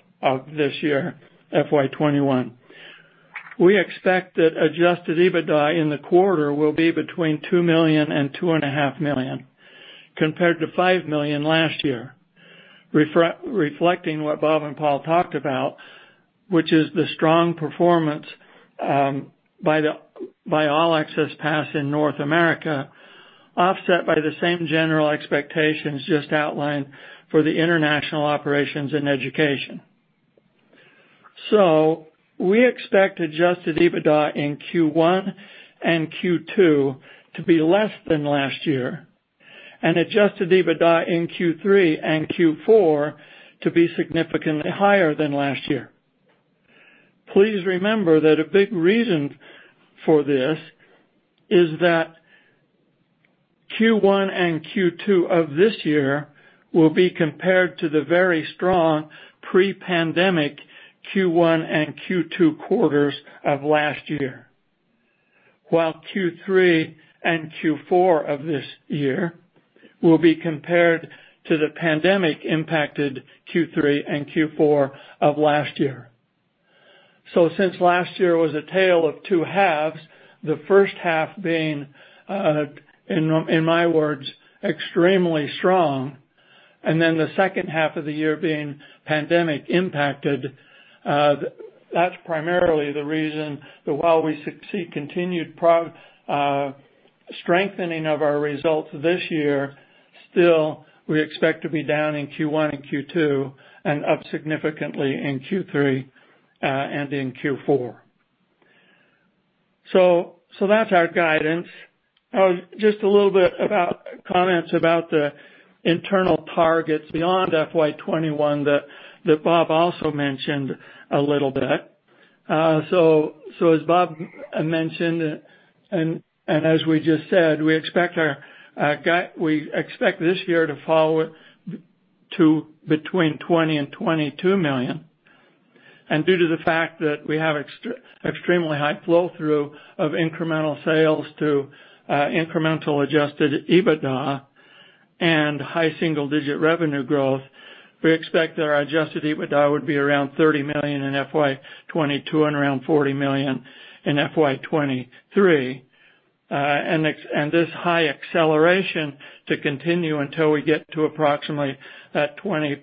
this year, FY 2021. We expect that Adjusted EBITDA in the quarter will be between $2 million and $2.5 million, compared to $5 million last year, reflecting what Bob and Paul talked about, which is the strong performance by All Access Pass in North America, offset by the same general expectations just outlined for the international operations and education. We expect Adjusted EBITDA in Q1 and Q2 to be less than last year, and Adjusted EBITDA in Q3 and Q4 to be significantly higher than last year. Please remember that a big reason for this is that Q1 and Q2 of this year will be compared to the very strong pre-pandemic Q1 and Q2 quarters of last year. While Q3 and Q4 of this year will be compared to the pandemic-impacted Q3 and Q4 of last year. Since last year was a tale of two halves, the first half being, in my words, extremely strong, and then the second half of the year being pandemic-impacted, that's primarily the reason that while we see continued strengthening of our results this year, still, we expect to be down in Q1 and Q2 and up significantly in Q3 and in Q4. That's our guidance. Just a little bit about comments about the internal targets beyond FY 2021 that Bob also mentioned a little bit. As Bob mentioned, and as we just said, we expect this year to fall to between $20 million and $22 million. Due to the fact that we have extremely high flow-through of incremental sales to incremental Adjusted EBITDA and high single-digit revenue growth, we expect that our Adjusted EBITDA would be around $30 million in FY 2022 and around $40 million in FY 2023. This high acceleration to continue until we get to approximately that 20%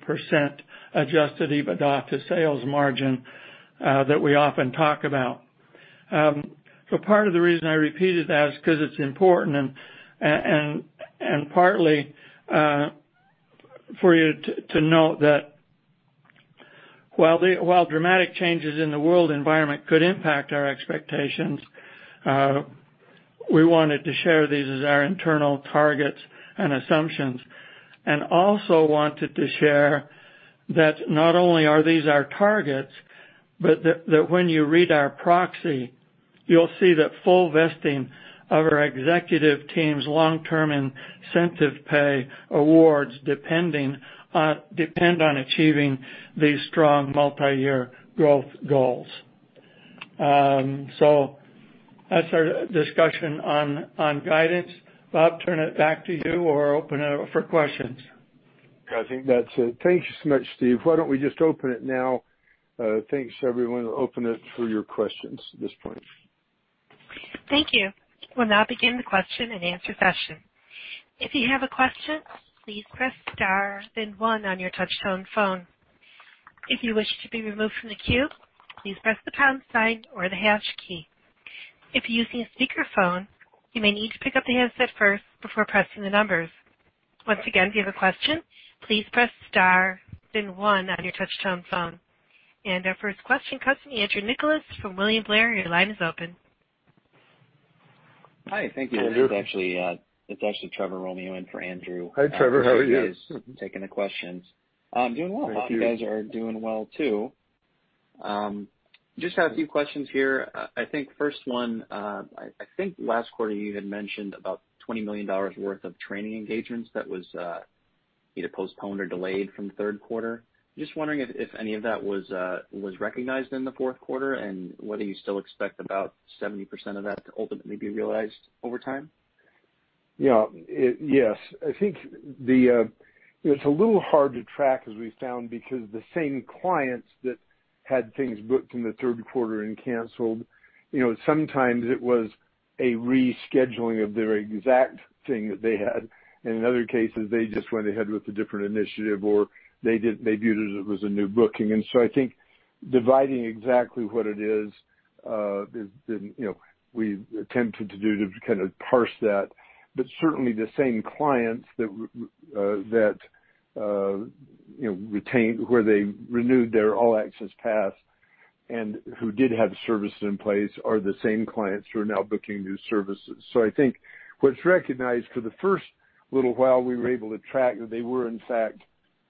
Adjusted EBITDA to sales margin that we often talk about. Part of the reason I repeated that is because it's important and partly for you to note that while dramatic changes in the world environment could impact our expectations, we wanted to share these as our internal targets and assumptions, and also wanted to share that not only are these our targets, but that when you read our proxy, you'll see that full vesting of our executive team's long-term incentive pay awards depend on achieving these strong multi-year growth goals. That's our discussion on guidance. Bob, turn it back to you or open it up for questions. I think that's it. Thank you so much, Steve. Why don't we just open it now? Thanks, everyone. Open it for your questions at this point. Thank you. We will now begin the question and answer session. If you have a question please press star then one on your touch-tone phone. If you wish to be removed from the queue please press the pound sign or the hash key. If you are using a speaker phone you may need to pick up your handset up first before pressing the numbers. Once again if you have a question please press star then on on your touch-tone phone. Our first question comes from Andrew Nicholas from William Blair. Your line is open. Hi. Thank you. Andrew. It's actually Trevor Romeo in for Andrew. Hi, Trevor. How are you? He is taking the questions. I'm doing well. Thank you. I hope you guys are doing well, too. Just have a few questions here. I think first one, I think last quarter you had mentioned about $20 million worth of training engagements that was either postponed or delayed from third quarter. Just wondering if any of that was recognized in the fourth quarter and whether you still expect about 70% of that to ultimately be realized over time. Yeah. Yes. I think it's a little hard to track, as we found, because the same clients that had things booked in the third quarter and canceled, sometimes it was a rescheduling of the exact thing that they had, and in other cases, they just went ahead with a different initiative, or they viewed it as a new booking. I think dividing exactly what it is, we attempted to do to kind of parse that. Certainly, the same clients where they renewed their All Access Pass and who did have services in place are the same clients who are now booking new services. I think what's recognized for the first little while, we were able to track that they were in fact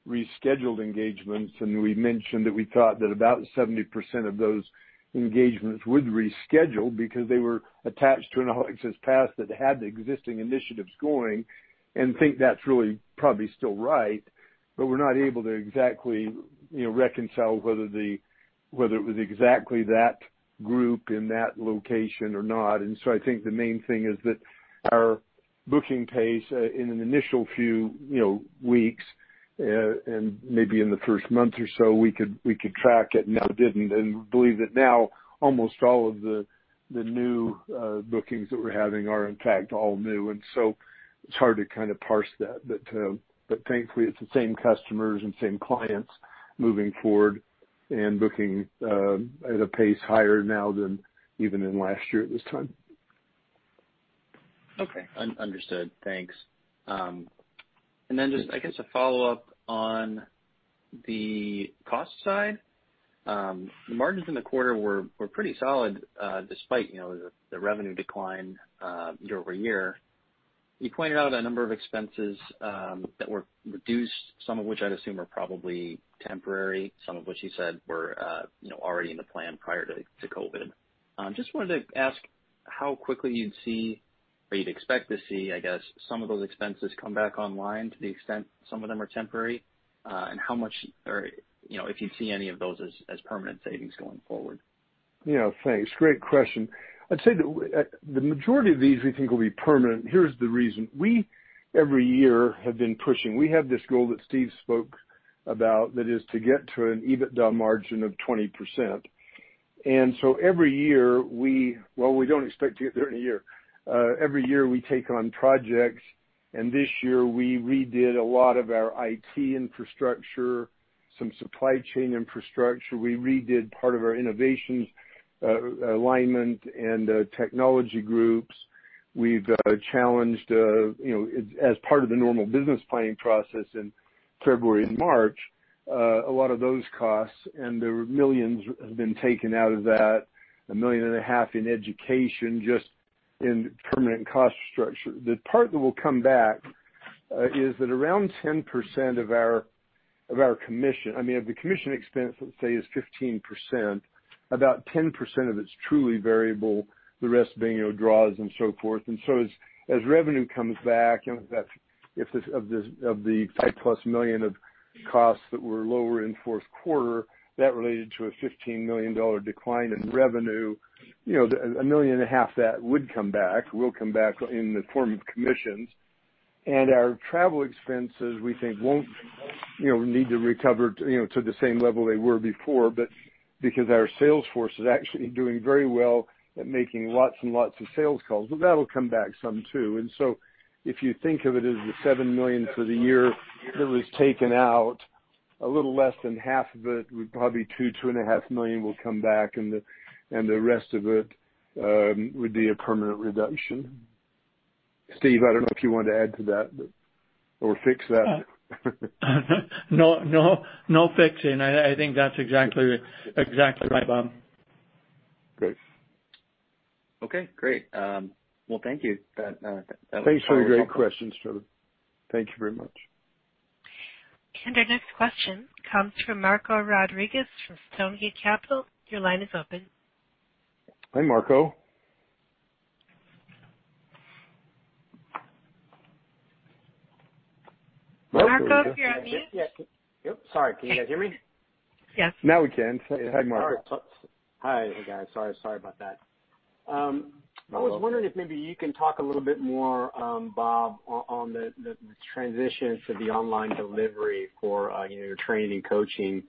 rescheduled engagements and we mentioned that we thought that about 70% of those engagements would reschedule because they were attached to an All Access Pass that had the existing initiatives going and think that's really probably still right. We're not able to exactly reconcile whether it was exactly that group in that location or not. I think the main thing is that our booking pace in an initial few weeks, and maybe in the first month or so we could track it, now didn't, and believe that now almost all of the new bookings that we're having are in fact all new. It's hard to kind of parse that. Thankfully, it's the same customers and same clients moving forward and booking at a pace higher now than even in last year at this time. Okay. Understood. Thanks. I guess a follow-up on the cost side. The margins in the quarter were pretty solid, despite the revenue decline year-over-year. You pointed out a number of expenses that were reduced, some of which I'd assume are probably temporary, some of which you said were already in the plan prior to COVID. Just wanted to ask how quickly you'd see, or you'd expect to see, I guess, some of those expenses come back online to the extent some of them are temporary. How much, or if you'd see any of those as permanent savings going forward? Thanks. Great question. I'd say that the majority of these we think will be permanent. Here's the reason. We, every year, have been pushing. We have this goal that Steve spoke about, that is to get to an EBITDA margin of 20%. Every year, well, we don't expect to get there in a year. Every year we take on projects, this year we redid a lot of our IT infrastructure, some supply chain infrastructure. We redid part of our innovations alignment and technology groups. We've challenged, as part of the normal business planning process in February and March, a lot of those costs, there were millions have been taken out of that, a million and a half in education, just in permanent cost structure. The part that will come back is that around 10% of our commission I mean, if the commission expense, let's say, is 15%, about 10% of it's truly variable, the rest being draws and so forth. As revenue comes back, and if the five-plus million of costs that were lower in fourth quarter, that related to a $15 million decline in revenue, a million and a half of that would come back, will come back in the form of commissions. Our travel expenses, we think won't need to recover to the same level they were before, but because our sales force is actually doing very well at making lots and lots of sales calls, well, that'll come back some, too. If you think of it as the $7 million for the year that was taken out, a little less than half of it, probably $two and a half million will come back and the rest of it would be a permanent reduction. Steve, I don't know if you want to add to that or fix that. No fixing. I think that's exactly right, Bob. Great. Okay, great. Well, thank you. That was really helpful. Thanks for the great questions, Trevor. Thank you very much. Our next question comes from Marco Rodriguez from Stonegate Capital. Your line is open. Hi, Marco. Marco, if you're on mute. Yep. Sorry, can you guys hear me? Yes. Now we can. Hi, Marco. Hi. Hey, guys. Sorry about that. Welcome. I was wondering if maybe you can talk a little bit more, Bob, on the transition to the online delivery for your training and coaching?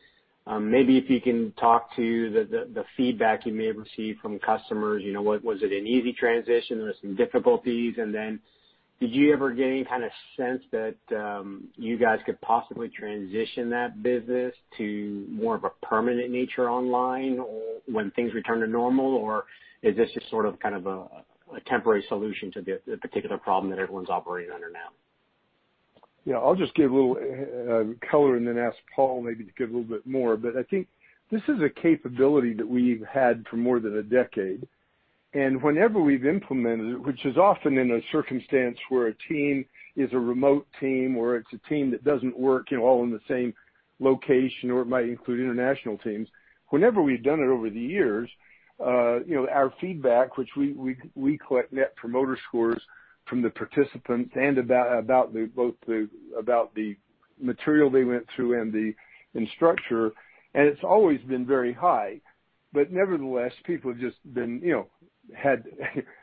Maybe if you can talk to the feedback you may have received from customers? Was it an easy transition? There were some difficulties. Then did you ever get any kind of sense that you guys could possibly transition that business to more of a permanent nature online or when things return to normal? Is this just sort of a temporary solution to the particular problem that everyone's operating under now? Yeah, I'll just give a little color and then ask Paul maybe to give a little bit more. I think this is a capability that we've had for more than a decade, and whenever we've implemented it, which is often in a circumstance where a team is a remote team or it's a team that doesn't work all in the same location, or it might include international teams. Whenever we've done it over the years, our feedback, which we collect Net Promoter Scores from the participants and about the material they went through and the instructor, and it's always been very high, but nevertheless, people just had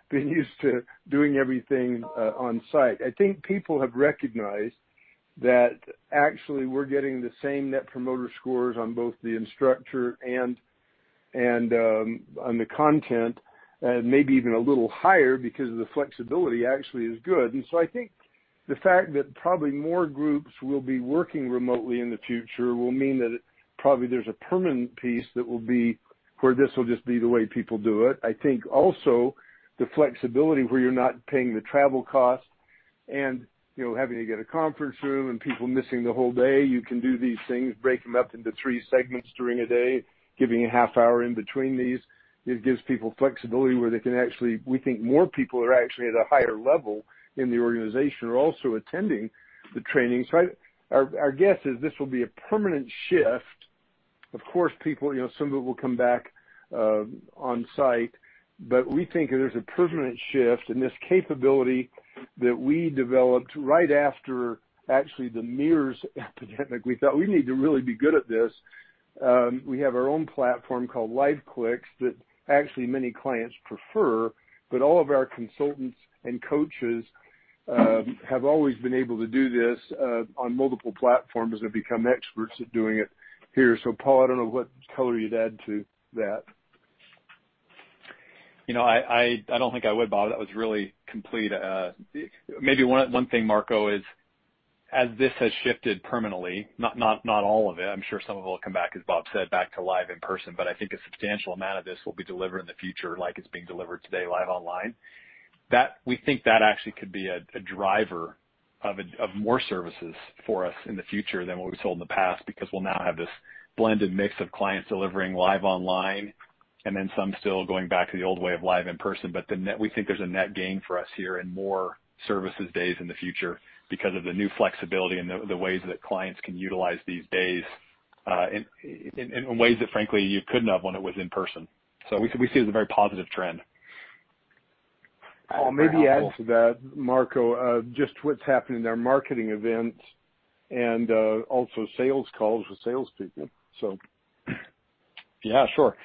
been used to doing everything on-site. I think people have recognized that actually we're getting the same Net Promoter Scores on both the instructor and on the content, and maybe even a little higher because the flexibility actually is good. I think the fact that probably more groups will be working remotely in the future will mean that probably there's a permanent piece that will be where this will just be the way people do it. I think also the flexibility where you're not paying the travel cost and having to get a conference room and people missing the whole day. You can do these things, break them up into three segments during a day, giving a half hour in between these. It gives people flexibility where they can actually, we think, more people are actually at a higher level in the organization are also attending the training. Our guess is this will be a permanent shift. Of course, some people will come back on-site, but we think there's a permanent shift in this capability that we developed right after actually the MERS epidemic. We thought we need to really be good at this. We have our own platform called LiveClicks that actually many clients prefer, but all of our consultants and coaches have always been able to do this on multiple platforms and have become experts at doing it here. Paul, I don't know what color you'd add to that. I don't think I would, Bob. That was really complete. Maybe one thing, Marco, is as this has shifted permanently, not all of it, I'm sure some of it will come back, as Bob said, back to live in person, but I think a substantial amount of this will be delivered in the future like it's being delivered today, live online. We think that actually could be a driver of more services for us in the future than what we sold in the past, because we'll now have this blended mix of clients delivering live online, and then some still going back to the old way of live in person. We think there's a net gain for us here in more services days in the future because of the new flexibility and the ways that clients can utilize these days, in ways that frankly, you couldn't have when it was in person. We see it as a very positive trend. Paul, maybe add to that, Marco, just what's happening in our marketing events and also sales calls with salespeople. Yeah, sure.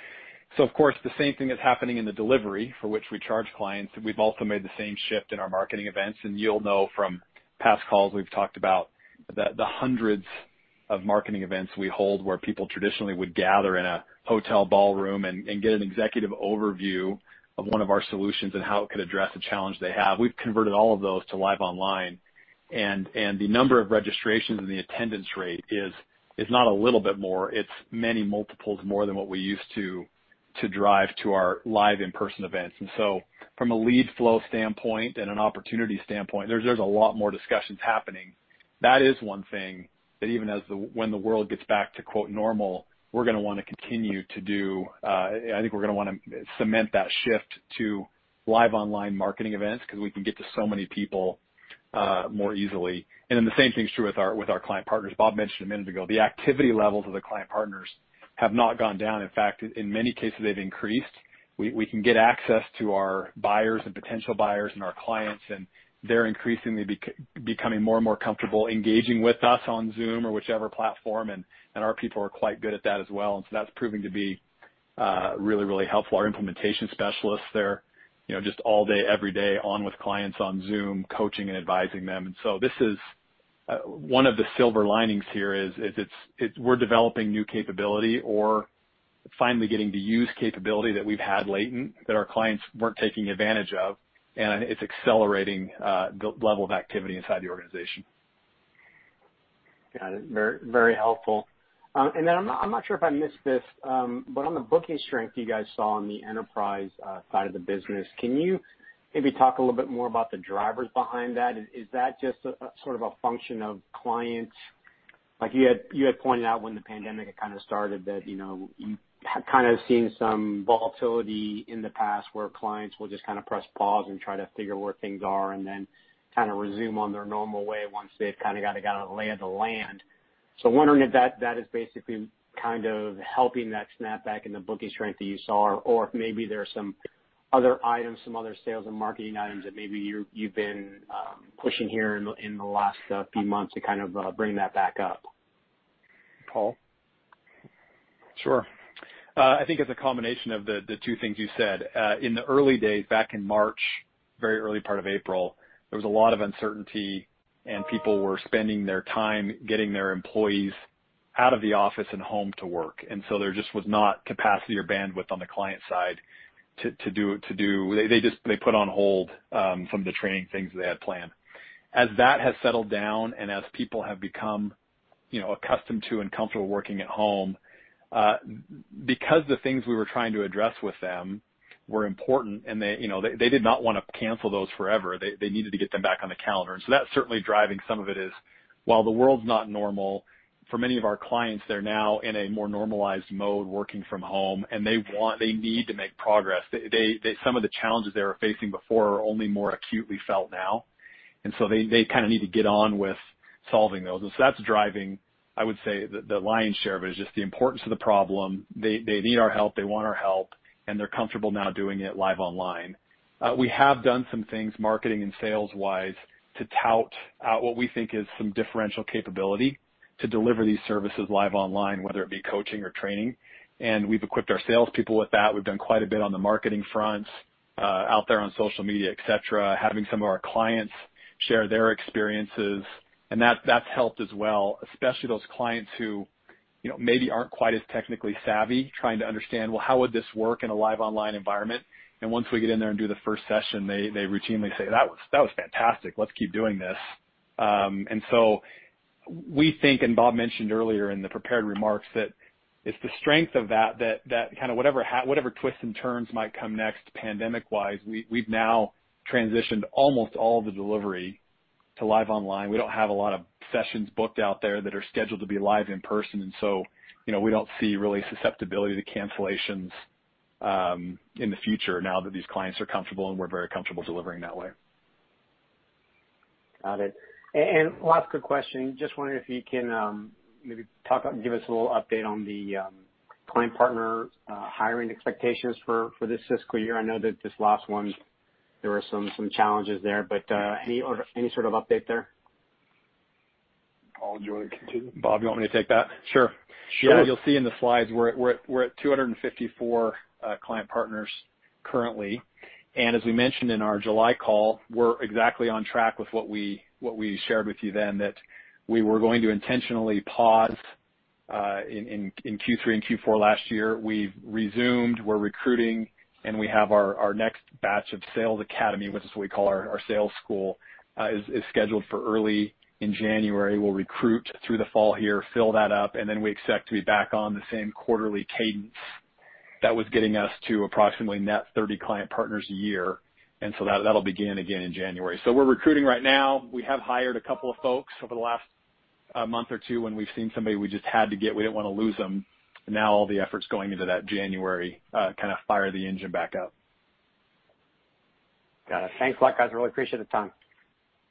Of course, the same thing is happening in the delivery, for which we charge clients. We've also made the same shift in our marketing events, you'll know from past calls, we've talked about the hundreds of marketing events we hold where people traditionally would gather in a hotel ballroom and get an executive overview of one of our solutions and how it could address a challenge they have. We've converted all of those to live online, the number of registrations and the attendance rate is not a little bit more, it's many multiples more than what we used to drive to our live in-person events. From a lead flow standpoint and an opportunity standpoint, there's a lot more discussions happening. That is one thing that even when the world gets back to, quote, "normal," we're going to want to continue to do. I think we're going to want to cement that shift to live online marketing events because we can get to so many people more easily. The same thing is true with our client partners. Bob mentioned a minute ago, the activity levels of the client partners have not gone down. In fact, in many cases, they've increased. We can get access to our buyers and potential buyers and our clients, they're increasingly becoming more and more comfortable engaging with us on Zoom or whichever platform, our people are quite good at that as well. That's proving to be really helpful. Our implementation specialists, they're just all day, every day on with clients on Zoom, coaching and advising them. One of the silver linings here is we're developing new capability or finally getting to use capability that we've had latent that our clients weren't taking advantage of, and it's accelerating the level of activity inside the organization. Got it. Very helpful. I'm not sure if I missed this, but on the booking strength you guys saw on the enterprise side of the business, can you maybe talk a little bit more about the drivers behind that? Is that just sort of a function of clients? You had pointed out when the pandemic had kind of started, that you had kind of seen some volatility in the past where clients will just kind of press pause and try to figure where things are and then kind of resume on their normal way once they've kind of got a lay of the land. Wondering if that is basically kind of helping that snap back in the booking strength that you saw, or if maybe there are some other items, some other sales and marketing items that maybe you've been pushing here in the last few months to kind of bring that back up? Paul? Sure. I think it's a combination of the two things you said. In the early days, back in March, very early part of April, there was a lot of uncertainty and people were spending their time getting their employees out of the office and home to work. There just was not capacity or bandwidth on the client side to do. They put on hold some of the training things they had planned. As that has settled down and as people have become accustomed to and comfortable working at home, because the things we were trying to address with them were important and they did not want to cancel those forever. They needed to get them back on the calendar. That's certainly driving some of it is, while the world's not normal for many of our clients, they're now in a more normalized mode working from home, and they need to make progress. Some of the challenges they were facing before are only more acutely felt now. They kind of need to get on with solving those. That's driving, I would say, the lion's share of it, is just the importance of the problem. They need our help, they want our help, and they're comfortable now doing it live online. We have done some things marketing and sales-wise to tout out what we think is some differential capability to deliver these services live online, whether it be coaching or training, and we've equipped our salespeople with that. We've done quite a bit on the marketing front, out there on social media, et cetera, having some of our clients share their experiences. That's helped as well, especially those clients who maybe aren't quite as technically savvy trying to understand, well, how would this work in a live online environment? Once we get in there and do the first session, they routinely say, "That was fantastic. Let's keep doing this." We think, and Bob mentioned earlier in the prepared remarks, that it's the strength of that kind of whatever twists and turns might come next pandemic-wise, we've now transitioned almost all the delivery to live online. We don't have a lot of sessions booked out there that are scheduled to be live in person, and so, we don't see really susceptibility to cancellations in the future now that these clients are comfortable, and we're very comfortable delivering that way. Got it. Last quick question. Just wondering if you can maybe give us a little update on the client partner hiring expectations for this fiscal year. I know that this last one, there were some challenges there, but any sort of update there? Paul, do you want to continue? Bob, you want me to take that? Sure. Sure. You'll see in the slides, we're at 254 client partners currently, and as we mentioned in our July call, we're exactly on track with what we shared with you then, that we were going to intentionally pause in Q3 and Q4 last year, we've resumed, we're recruiting, and we have our next batch of Sales Academy, which is what we call our sales school, is scheduled for early in January. We'll recruit through the fall here, fill that up, and then we expect to be back on the same quarterly cadence that was getting us to approximately net 30 client partners a year. That'll begin again in January. We're recruiting right now. We have hired a couple of folks over the last month or two when we've seen somebody we just had to get, we didn't want to lose them. Now all the effort's going into that January kind of fire the engine back up. Got it. Thanks a lot, guys. Really appreciate the time.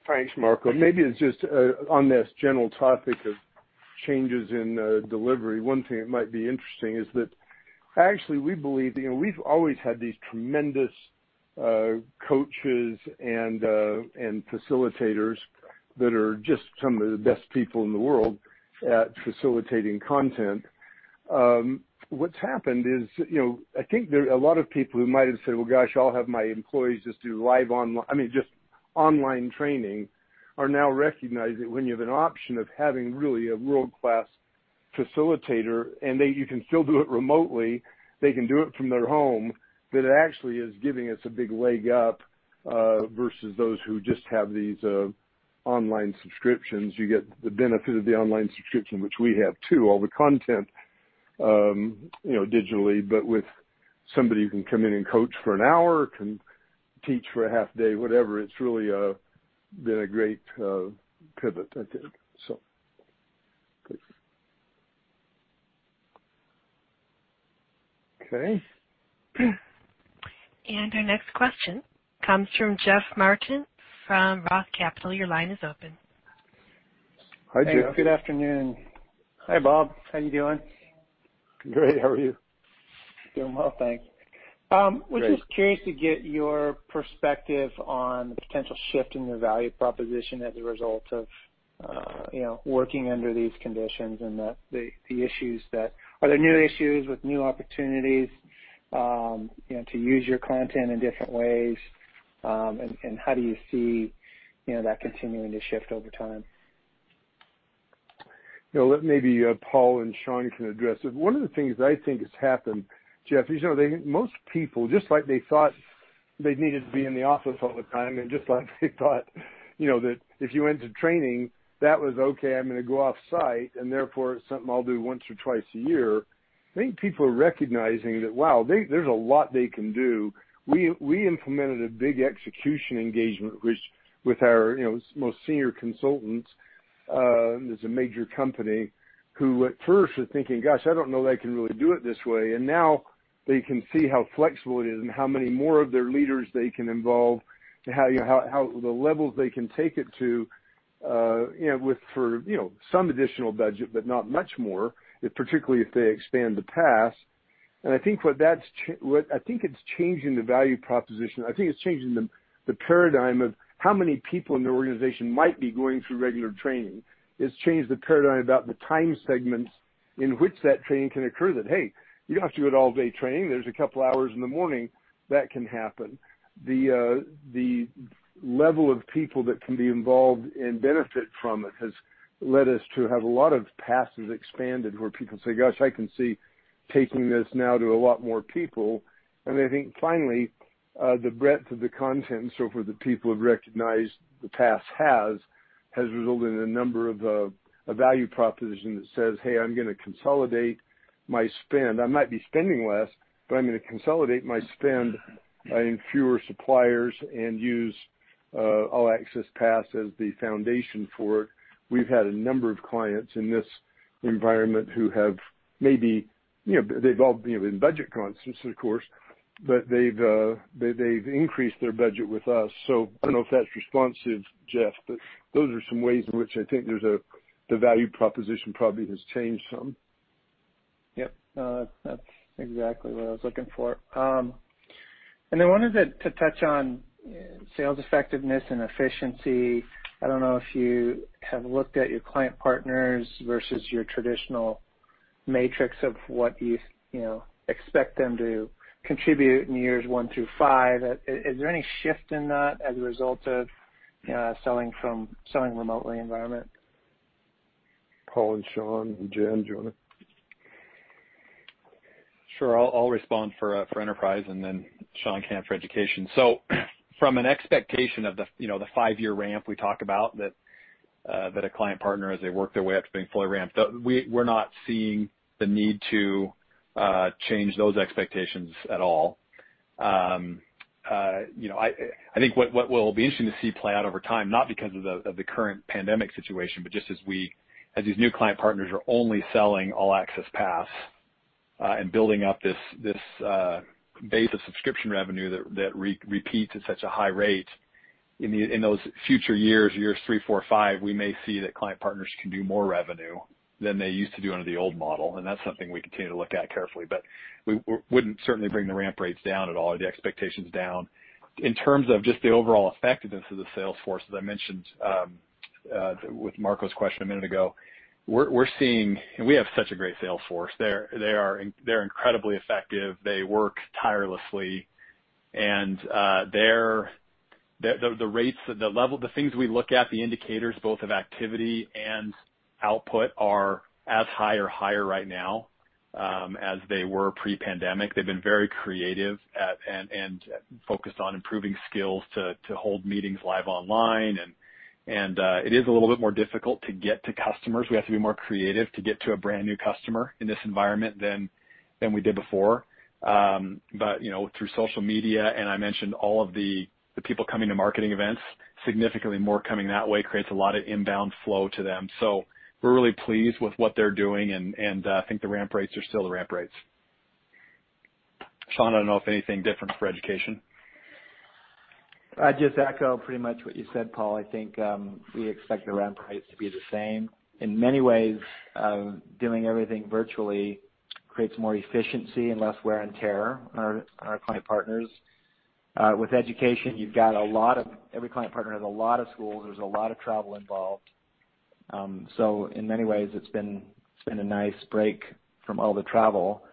Thanks, Marco. Maybe it is just on this general topic of changes in delivery, one thing that might be interesting is that actually, we believe, we have always had these tremendous coaches and facilitators that are just some of the best people in the world at facilitating content. What has happened is, I think there are a lot of people who might have said, "Well, gosh, I will have my employees just do I mean, just online training," are now recognizing that when you have an option of having really a world-class facilitator, and you can still do it remotely, they can do it from their home, that it actually is giving us a big leg up, versus those who just have these online subscriptions. You get the benefit of the online subscription, which we have, too. All the content digitally, but with somebody who can come in and coach for an hour, can teach for a half day, whatever. It's really been a great pivot, I think. Okay. Our next question comes from Jeff Martin from Roth Capital. Your line is open. Hi, Jeff. Good afternoon. Hi, Bob. How you doing? Great. How are you? Doing well, thanks. Great. was just curious to get your perspective on the potential shift in the value proposition as a result of working under these conditions. Are there new issues with new opportunities to use your content in different ways, and how do you see that continuing to shift over time? Let maybe Paul and Sean can address it. One of the things that I think has happened, Jeff, is most people, just like they thought they needed to be in the office all the time, and just like they thought that if you went to training, that was, "Okay, I'm going to go off-site, and therefore it's something I'll do once or twice a year." I think people are recognizing that, wow, there's a lot they can do. We implemented a big execution engagement with our most senior consultants. There's a major company who at first was thinking, "Gosh, I don't know that I can really do it this way." Now they can see how flexible it is and how many more of their leaders they can involve, the levels they can take it to with some additional budget, but not much more. Particularly if they expand the Pass. I think it's changing the value proposition. I think it's changing the paradigm of how many people in the organization might be going through regular training. It's changed the paradigm about the time segments in which that training can occur that, hey, you don't have to do an all-day training. There's a couple hours in the morning that can happen. The level of people that can be involved and benefit from it has led us to have a lot of passes expanded where people say, "Gosh, I can see taking this now to a lot more people." I think finally, the breadth of the content, and so for the people who have recognized the pass has resulted in a number of a value proposition that says, "Hey, I'm going to consolidate my spend. I might be spending less, but I'm going to consolidate my spend, I think fewer suppliers and use All Access Pass as the foundation for it." We've had a number of clients in this environment who have maybe, they've all been budget conscious, of course, but they've increased their budget with us. I don't know if that's responsive, Jeff, but those are some ways in which I think the value proposition probably has changed some. Yep. That's exactly what I was looking for. Then wanted to touch on sales effectiveness and efficiency. I don't know if you have looked at your client partners versus your traditional matrix of what you expect them to contribute in years one through five. Is there any shift in that as a result of selling remotely environment? Paul and Sean and Jen, do you want to? Sure. I'll respond for Enterprise and then Sean can for Education. From an expectation of the five-year ramp we talk about that a client partner as they work their way up to being fully ramped up. We're not seeing the need to change those expectations at all. I think what will be interesting to see play out over time, not because of the current pandemic situation, but just as these new client partners are only selling All Access Pass, and building up this base of subscription revenue that repeats at such a high rate in those future years three, four, five, we may see that client partners can do more revenue than they used to do under the old model. That's something we continue to look at carefully. We wouldn't certainly bring the ramp rates down at all or the expectations down. In terms of just the overall effectiveness of the sales force, as I mentioned, with Marco's question a minute ago, we have such a great sales force. They're incredibly effective. They work tirelessly. The rates, the level, the things we look at, the indicators both of activity and output are as high or higher right now as they were pre-pandemic. They've been very creative and focused on improving skills to hold meetings live online. It is a little bit more difficult to get to customers. We have to be more creative to get to a brand-new customer in this environment than we did before. Through social media, and I mentioned all of the people coming to marketing events, significantly more coming that way creates a lot of inbound flow to them. We're really pleased with what they're doing, and I think the ramp rates are still the ramp rates. Sean, I don't know if anything different for education. I'd just echo pretty much what you said, Paul. I think we expect the ramp rates to be the same. In many ways, doing everything virtually creates more efficiency and less wear and tear on our client partners. With education, every client partner has a lot of schools. There's a lot of travel involved. In many ways, it's been a nice break from all the travel.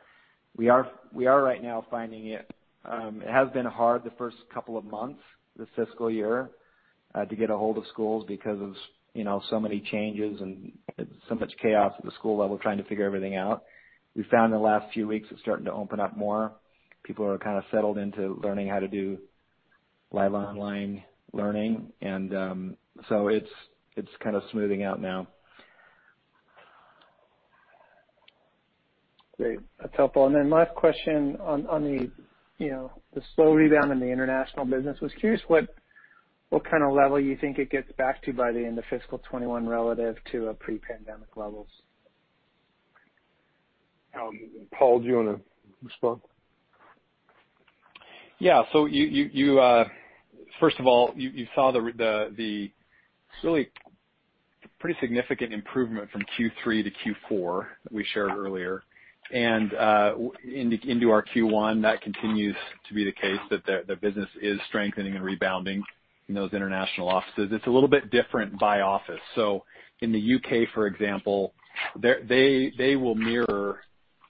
We are right now finding it has been hard the first couple of months of this fiscal year to get ahold of schools because of so many changes and so much chaos at the school level, trying to figure everything out. We found in the last few weeks it's starting to open up more. People are kind of settled into learning how to do live online learning, it's kind of smoothing out now. Great. That's helpful. Last question on the slow rebound in the international business, was curious what kind of level you think it gets back to by the end of fiscal 2021 relative to pre-pandemic levels? Paul, do you want to respond? Yeah. First of all, you saw the really pretty significant improvement from Q3 to Q4 that we shared earlier. Into our Q1, that continues to be the case, that the business is strengthening and rebounding in those international offices. It's a little bit different by office. In the U.K., for example, they will mirror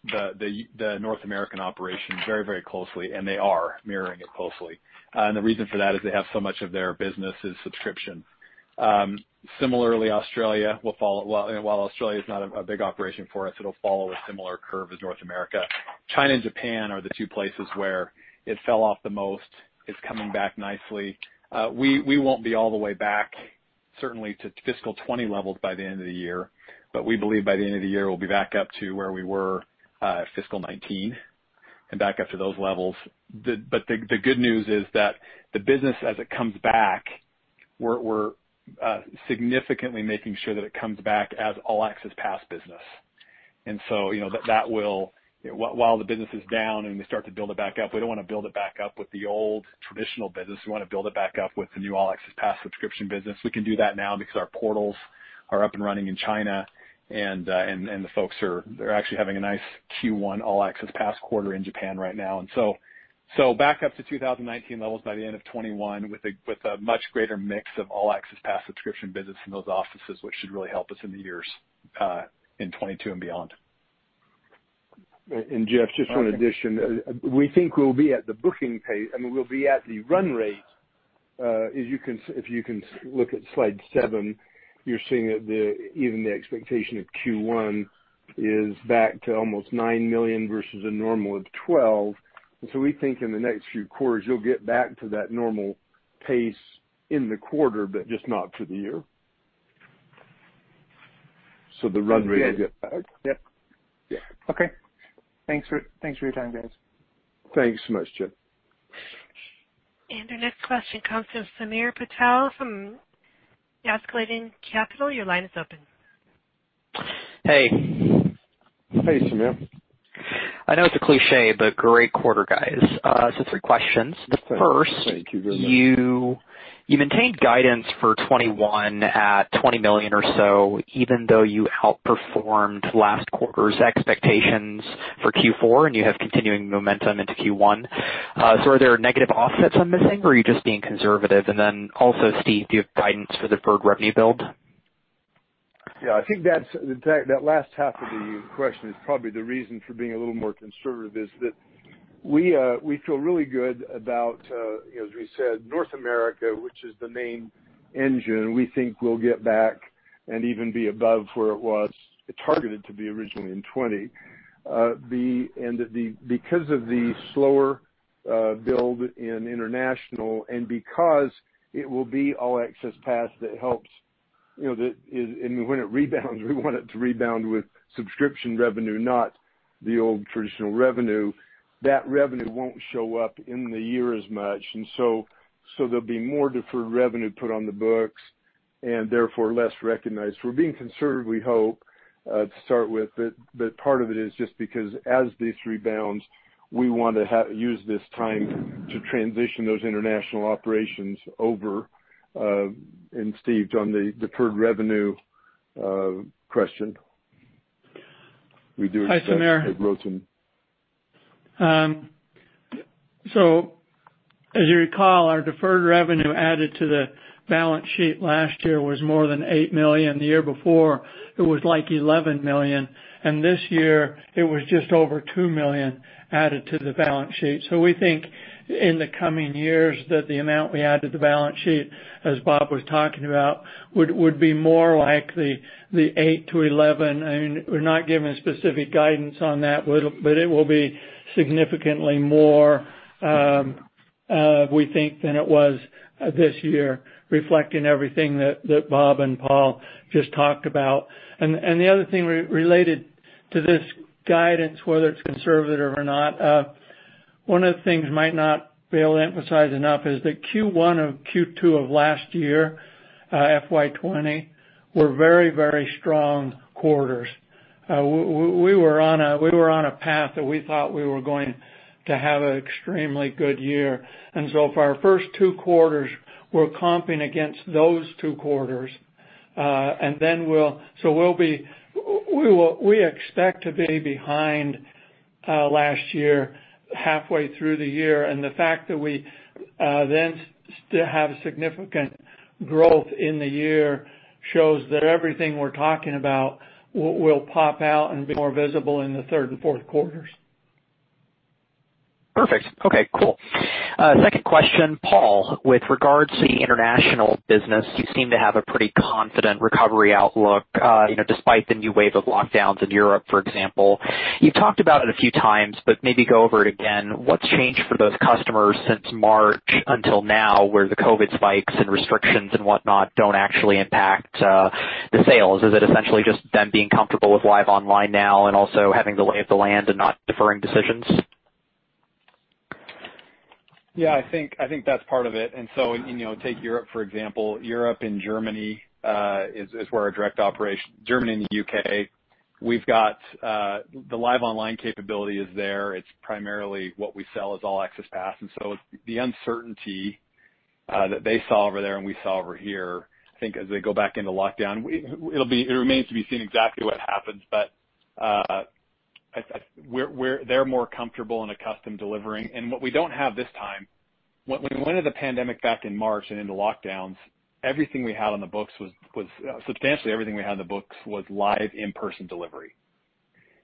the North American operations very closely, and they are mirroring it closely. The reason for that is they have so much of their business is subscription. Similarly, Australia will follow. While Australia is not a big operation for us, it'll follow a similar curve as North America. China and Japan are the two places where it fell off the most. It's coming back nicely. We won't be all the way back, certainly, to FY 2020 levels by the end of the year. We believe by the end of the year, we'll be back up to where we were FY19 and back up to those levels. The good news is that the business, as it comes back, we're significantly making sure that it comes back as All Access Pass business. While the business is down and we start to build it back up, we don't want to build it back up with the old traditional business. We want to build it back up with the new All Access Pass subscription business. We can do that now because our portals are up and running in China, and the folks are actually having a nice Q1 All Access Pass quarter in Japan right now. Back up to 2019 levels by the end of 2021 with a much greater mix of All Access Pass subscription business in those offices, which should really help us in the years in 2022 and beyond. Jeff, just one addition. We think we'll be at the booking pace, I mean, we'll be at the run rate. If you can look at slide seven, you're seeing that even the expectation of Q1 is back to almost $9 million versus a normal of $12 million. We think in the next few quarters, you'll get back to that normal pace in the quarter, but just not for the year. The run rate will get back. Yep. Yeah. Okay. Thanks for your time, guys. Thanks so much, Jeff. Our next question comes from Samir Patel from Askeladden Capital. Your line is open. Hey. Hey, Samir. I know it's a cliché, but great quarter, guys. Three questions. Thank you. Thank you very much. The first, you maintained guidance for FY 2021 at $20 million or so, even though you outperformed last quarter's expectations for Q4 and you have continuing momentum into Q1. Are there negative offsets I'm missing, or are you just being conservative? Also, Steve, do you have guidance for deferred revenue build? Yeah, I think that last half of the question is probably the reason for being a little more conservative is that we feel really good about, as we said, North America, which is the main engine. We think we'll get back and even be above where it was targeted to be originally in FY 2020. Because of the slower build in international and because it will be All Access Pass, and when it rebounds, we want it to rebound with subscription revenue, not the old traditional revenue. That revenue won't show up in the year as much, there'll be more deferred revenue put on the books and therefore less recognized. We're being conservative, we hope, to start with, part of it is just because as this rebounds, we want to use this time to transition those international operations over. Steve, on the deferred revenue question. Hi, Samir. As you recall, our deferred revenue added to the balance sheet last year was more than $8 million. The year before, it was like $11 million, and this year it was just over $2 million added to the balance sheet. We think in the coming years that the amount we add to the balance sheet, as Bob was talking about, would be more like the 8-11. We're not giving specific guidance on that, but it will be significantly more, we think, than it was this year, reflecting everything that Bob and Paul just talked about. The other thing related to this guidance, whether it's conservative or not, one of the things might not be able to emphasize enough is that Q1 of Q2 of last year, FY 2020, were very strong quarters. We were on a path that we thought we were going to have an extremely good year. For our first two quarters, we're comping against those two quarters. We expect to be behind last year, halfway through the year. The fact that we then still have significant growth in the year shows that everything we're talking about will pop out and be more visible in the third and fourth quarters. Perfect. Okay, cool. Second question, Paul, with regards to the international business, you seem to have a pretty confident recovery outlook despite the new wave of lockdowns in Europe, for example. You've talked about it a few times, but maybe go over it again. What's changed for those customers since March until now, where the COVID spikes and restrictions and whatnot don't actually impact the sales? Is it essentially just them being comfortable with live online now and also having the lay of the land and not deferring decisions? Yeah, I think that's part of it. Take Europe for example. Europe and Germany is where our direct operation, Germany and the U.K., we've got the live online capability is there. It's primarily what we sell is All-Access Pass. The uncertainty that they saw over there and we saw over here, I think as they go back into lockdown, it remains to be seen exactly what happens. They're more comfortable and accustomed delivering. What we don't have this time, when we went into the pandemic back in March and into lockdowns, substantially everything we had on the books was live in-person delivery.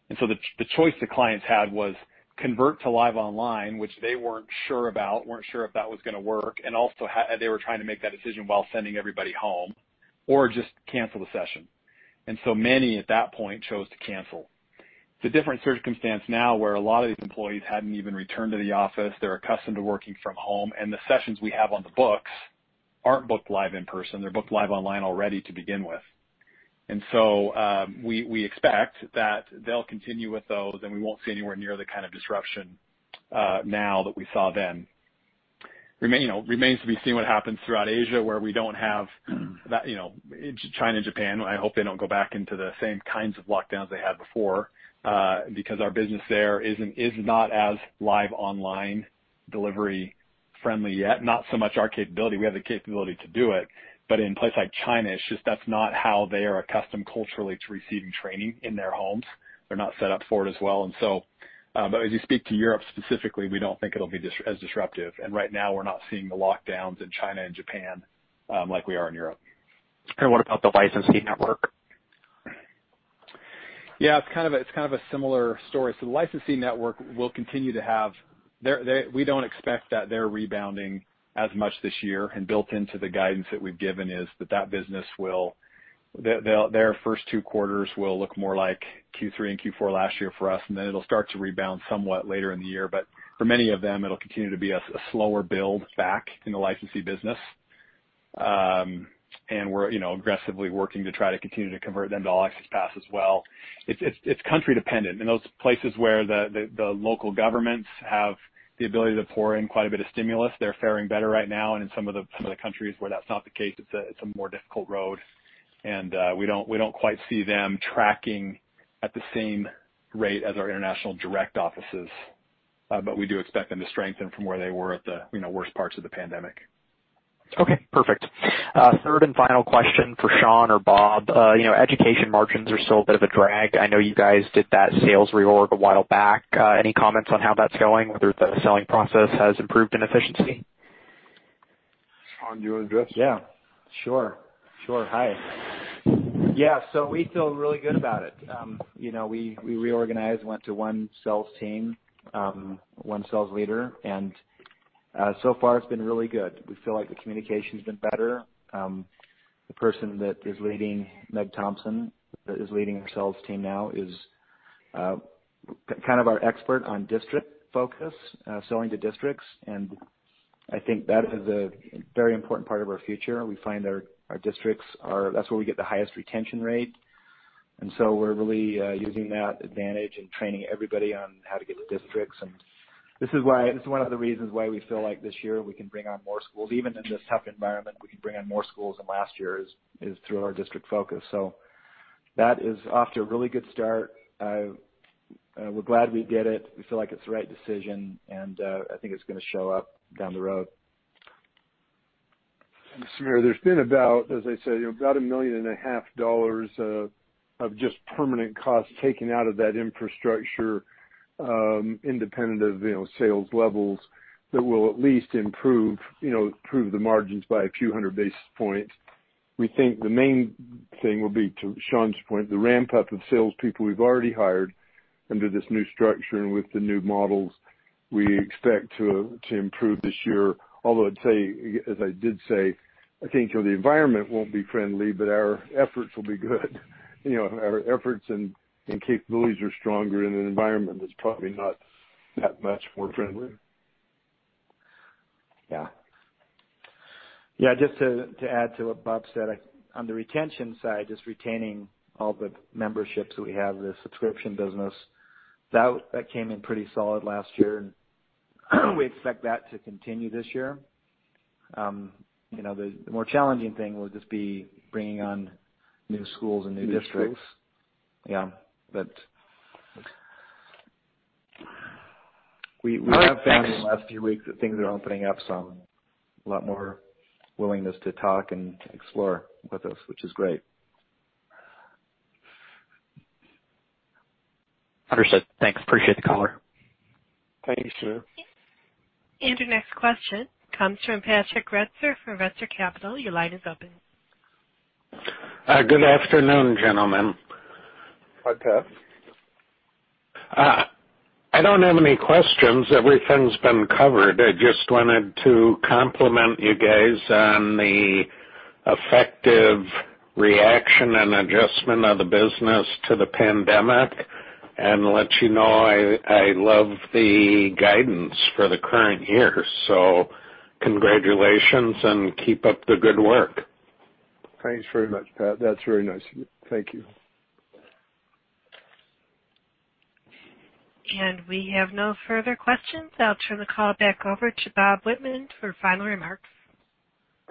The choice the clients had was convert to live online, which they weren't sure about, weren't sure if that was going to work, and also, they were trying to make that decision while sending everybody home, or just cancel the session. Many at that point chose to cancel. It's a different circumstance now where a lot of these employees hadn't even returned to the office. They're accustomed to working from home, and the sessions we have on the books aren't booked live in-person. They're booked live online already to begin with. We expect that they'll continue with those, and we won't see anywhere near the kind of disruption now that we saw then. Remains to be seen what happens throughout Asia, where we don't have that-- China and Japan, I hope they don't go back into the same kinds of lockdowns they had before, because our business there is not as live online delivery friendly yet. Not so much our capability. We have the capability to do it. In places like China, it's just that's not how they are accustomed culturally to receiving training in their homes. They're not set up for it as well. As you speak to Europe specifically, we don't think it'll be as disruptive. Right now, we're not seeing the lockdowns in China and Japan like we are in Europe. What about the licensing network? Yeah, it's kind of a similar story. The licensing network will continue. We don't expect that they're rebounding as much this year. Built into the guidance that we've given is that business. Their first two quarters will look more like Q3 and Q4 last year for us, and then it'll start to rebound somewhat later in the year. For many of them, it'll continue to be a slower build back in the licensee business. We're aggressively working to try to continue to convert them to All Access Pass as well. It's country dependent. In those places where the local governments have the ability to pour in quite a bit of stimulus, they're faring better right now. In some of the countries where that's not the case, it's a more difficult road. We don't quite see them tracking at the same rate as our international direct offices. We do expect them to strengthen from where they were at the worst parts of the pandemic. Okay, perfect. Third and final question for Sean or Bob. Education margins are still a bit of a drag. I know you guys did that sales reorg a while back. Any comments on how that's going, whether the selling process has improved in efficiency? Sean, do you want to address? We feel really good about it. We reorganized, went to one sales team, one sales leader, it's been really good. We feel like the communication's been better. The person that is leading, Meg Thompson, that is leading our sales team now is kind of our expert on district focus, selling to districts, I think that is a very important part of our future. We find our districts, that's where we get the highest retention rate. We're really using that advantage and training everybody on how to get to districts. This is one of the reasons why we feel like this year we can bring on more schools. Even in this tough environment, we can bring on more schools than last year, is through our district focus. That is off to a really good start. We're glad we did it. We feel like it's the right decision, and I think it's going to show up down the road. Sameer, there's been about, as I said, about $1.5 million of just permanent costs taken out of that infrastructure, independent of sales levels that will at least improve the margins by a few hundred basis points. We think the main thing will be, to Sean Covey's point, the ramp-up of salespeople we've already hired under this new structure and with the new models we expect to improve this year. As I did say, I think the environment won't be friendly, but our efforts will be good. Our efforts and capabilities are stronger in an environment that's probably not that much more friendly. Yeah. Just to add to what Bob said, on the retention side, just retaining all the memberships we have, the subscription business, that came in pretty solid last year, and we expect that to continue this year. The more challenging thing will just be bringing on new schools and new districts. New schools. Yeah. We have found in the last few weeks that things are opening up some, a lot more willingness to talk and to explore with us, which is great. Understood. Thanks. Appreciate the call. Thank you, Sameer. Your next question comes from Patrick Retzer for Retzer Capital. Your line is open. Good afternoon, gentlemen. Hi, Pat. I don't have any questions. Everything's been covered. I just wanted to compliment you guys on the effective reaction and adjustment of the business to the pandemic, and let you know I love the guidance for the current year. Congratulations and keep up the good work. Thanks very much, Pat. That's very nice of you. Thank you. We have no further questions. I'll turn the call back over to Bob Whitman for final remarks.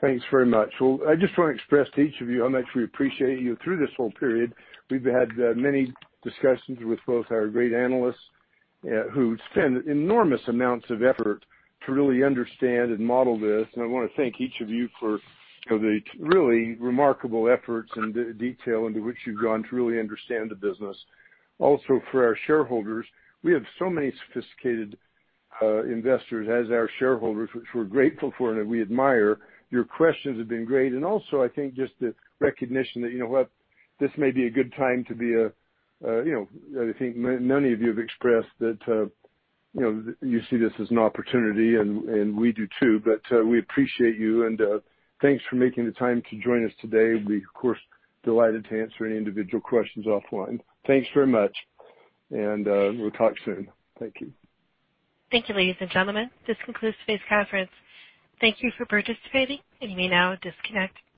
Thanks very much. I just want to express to each of you how much we appreciate you through this whole period. We've had many discussions with both our great analysts who spend enormous amounts of effort to really understand and model this. I want to thank each of you for the really remarkable efforts and detail into which you've gone to really understand the business. For our shareholders, we have so many sophisticated investors as our shareholders, which we're grateful for and we admire. Your questions have been great. I think just the recognition that this may be a good time. I think many of you have expressed that you see this as an opportunity, and we do too, but we appreciate you, and thanks for making the time to join us today. We, of course, are delighted to answer any individual questions offline. Thanks very much. We'll talk soon. Thank you. Thank you, ladies and gentlemen. This concludes today's conference. Thank you for participating. You may now disconnect.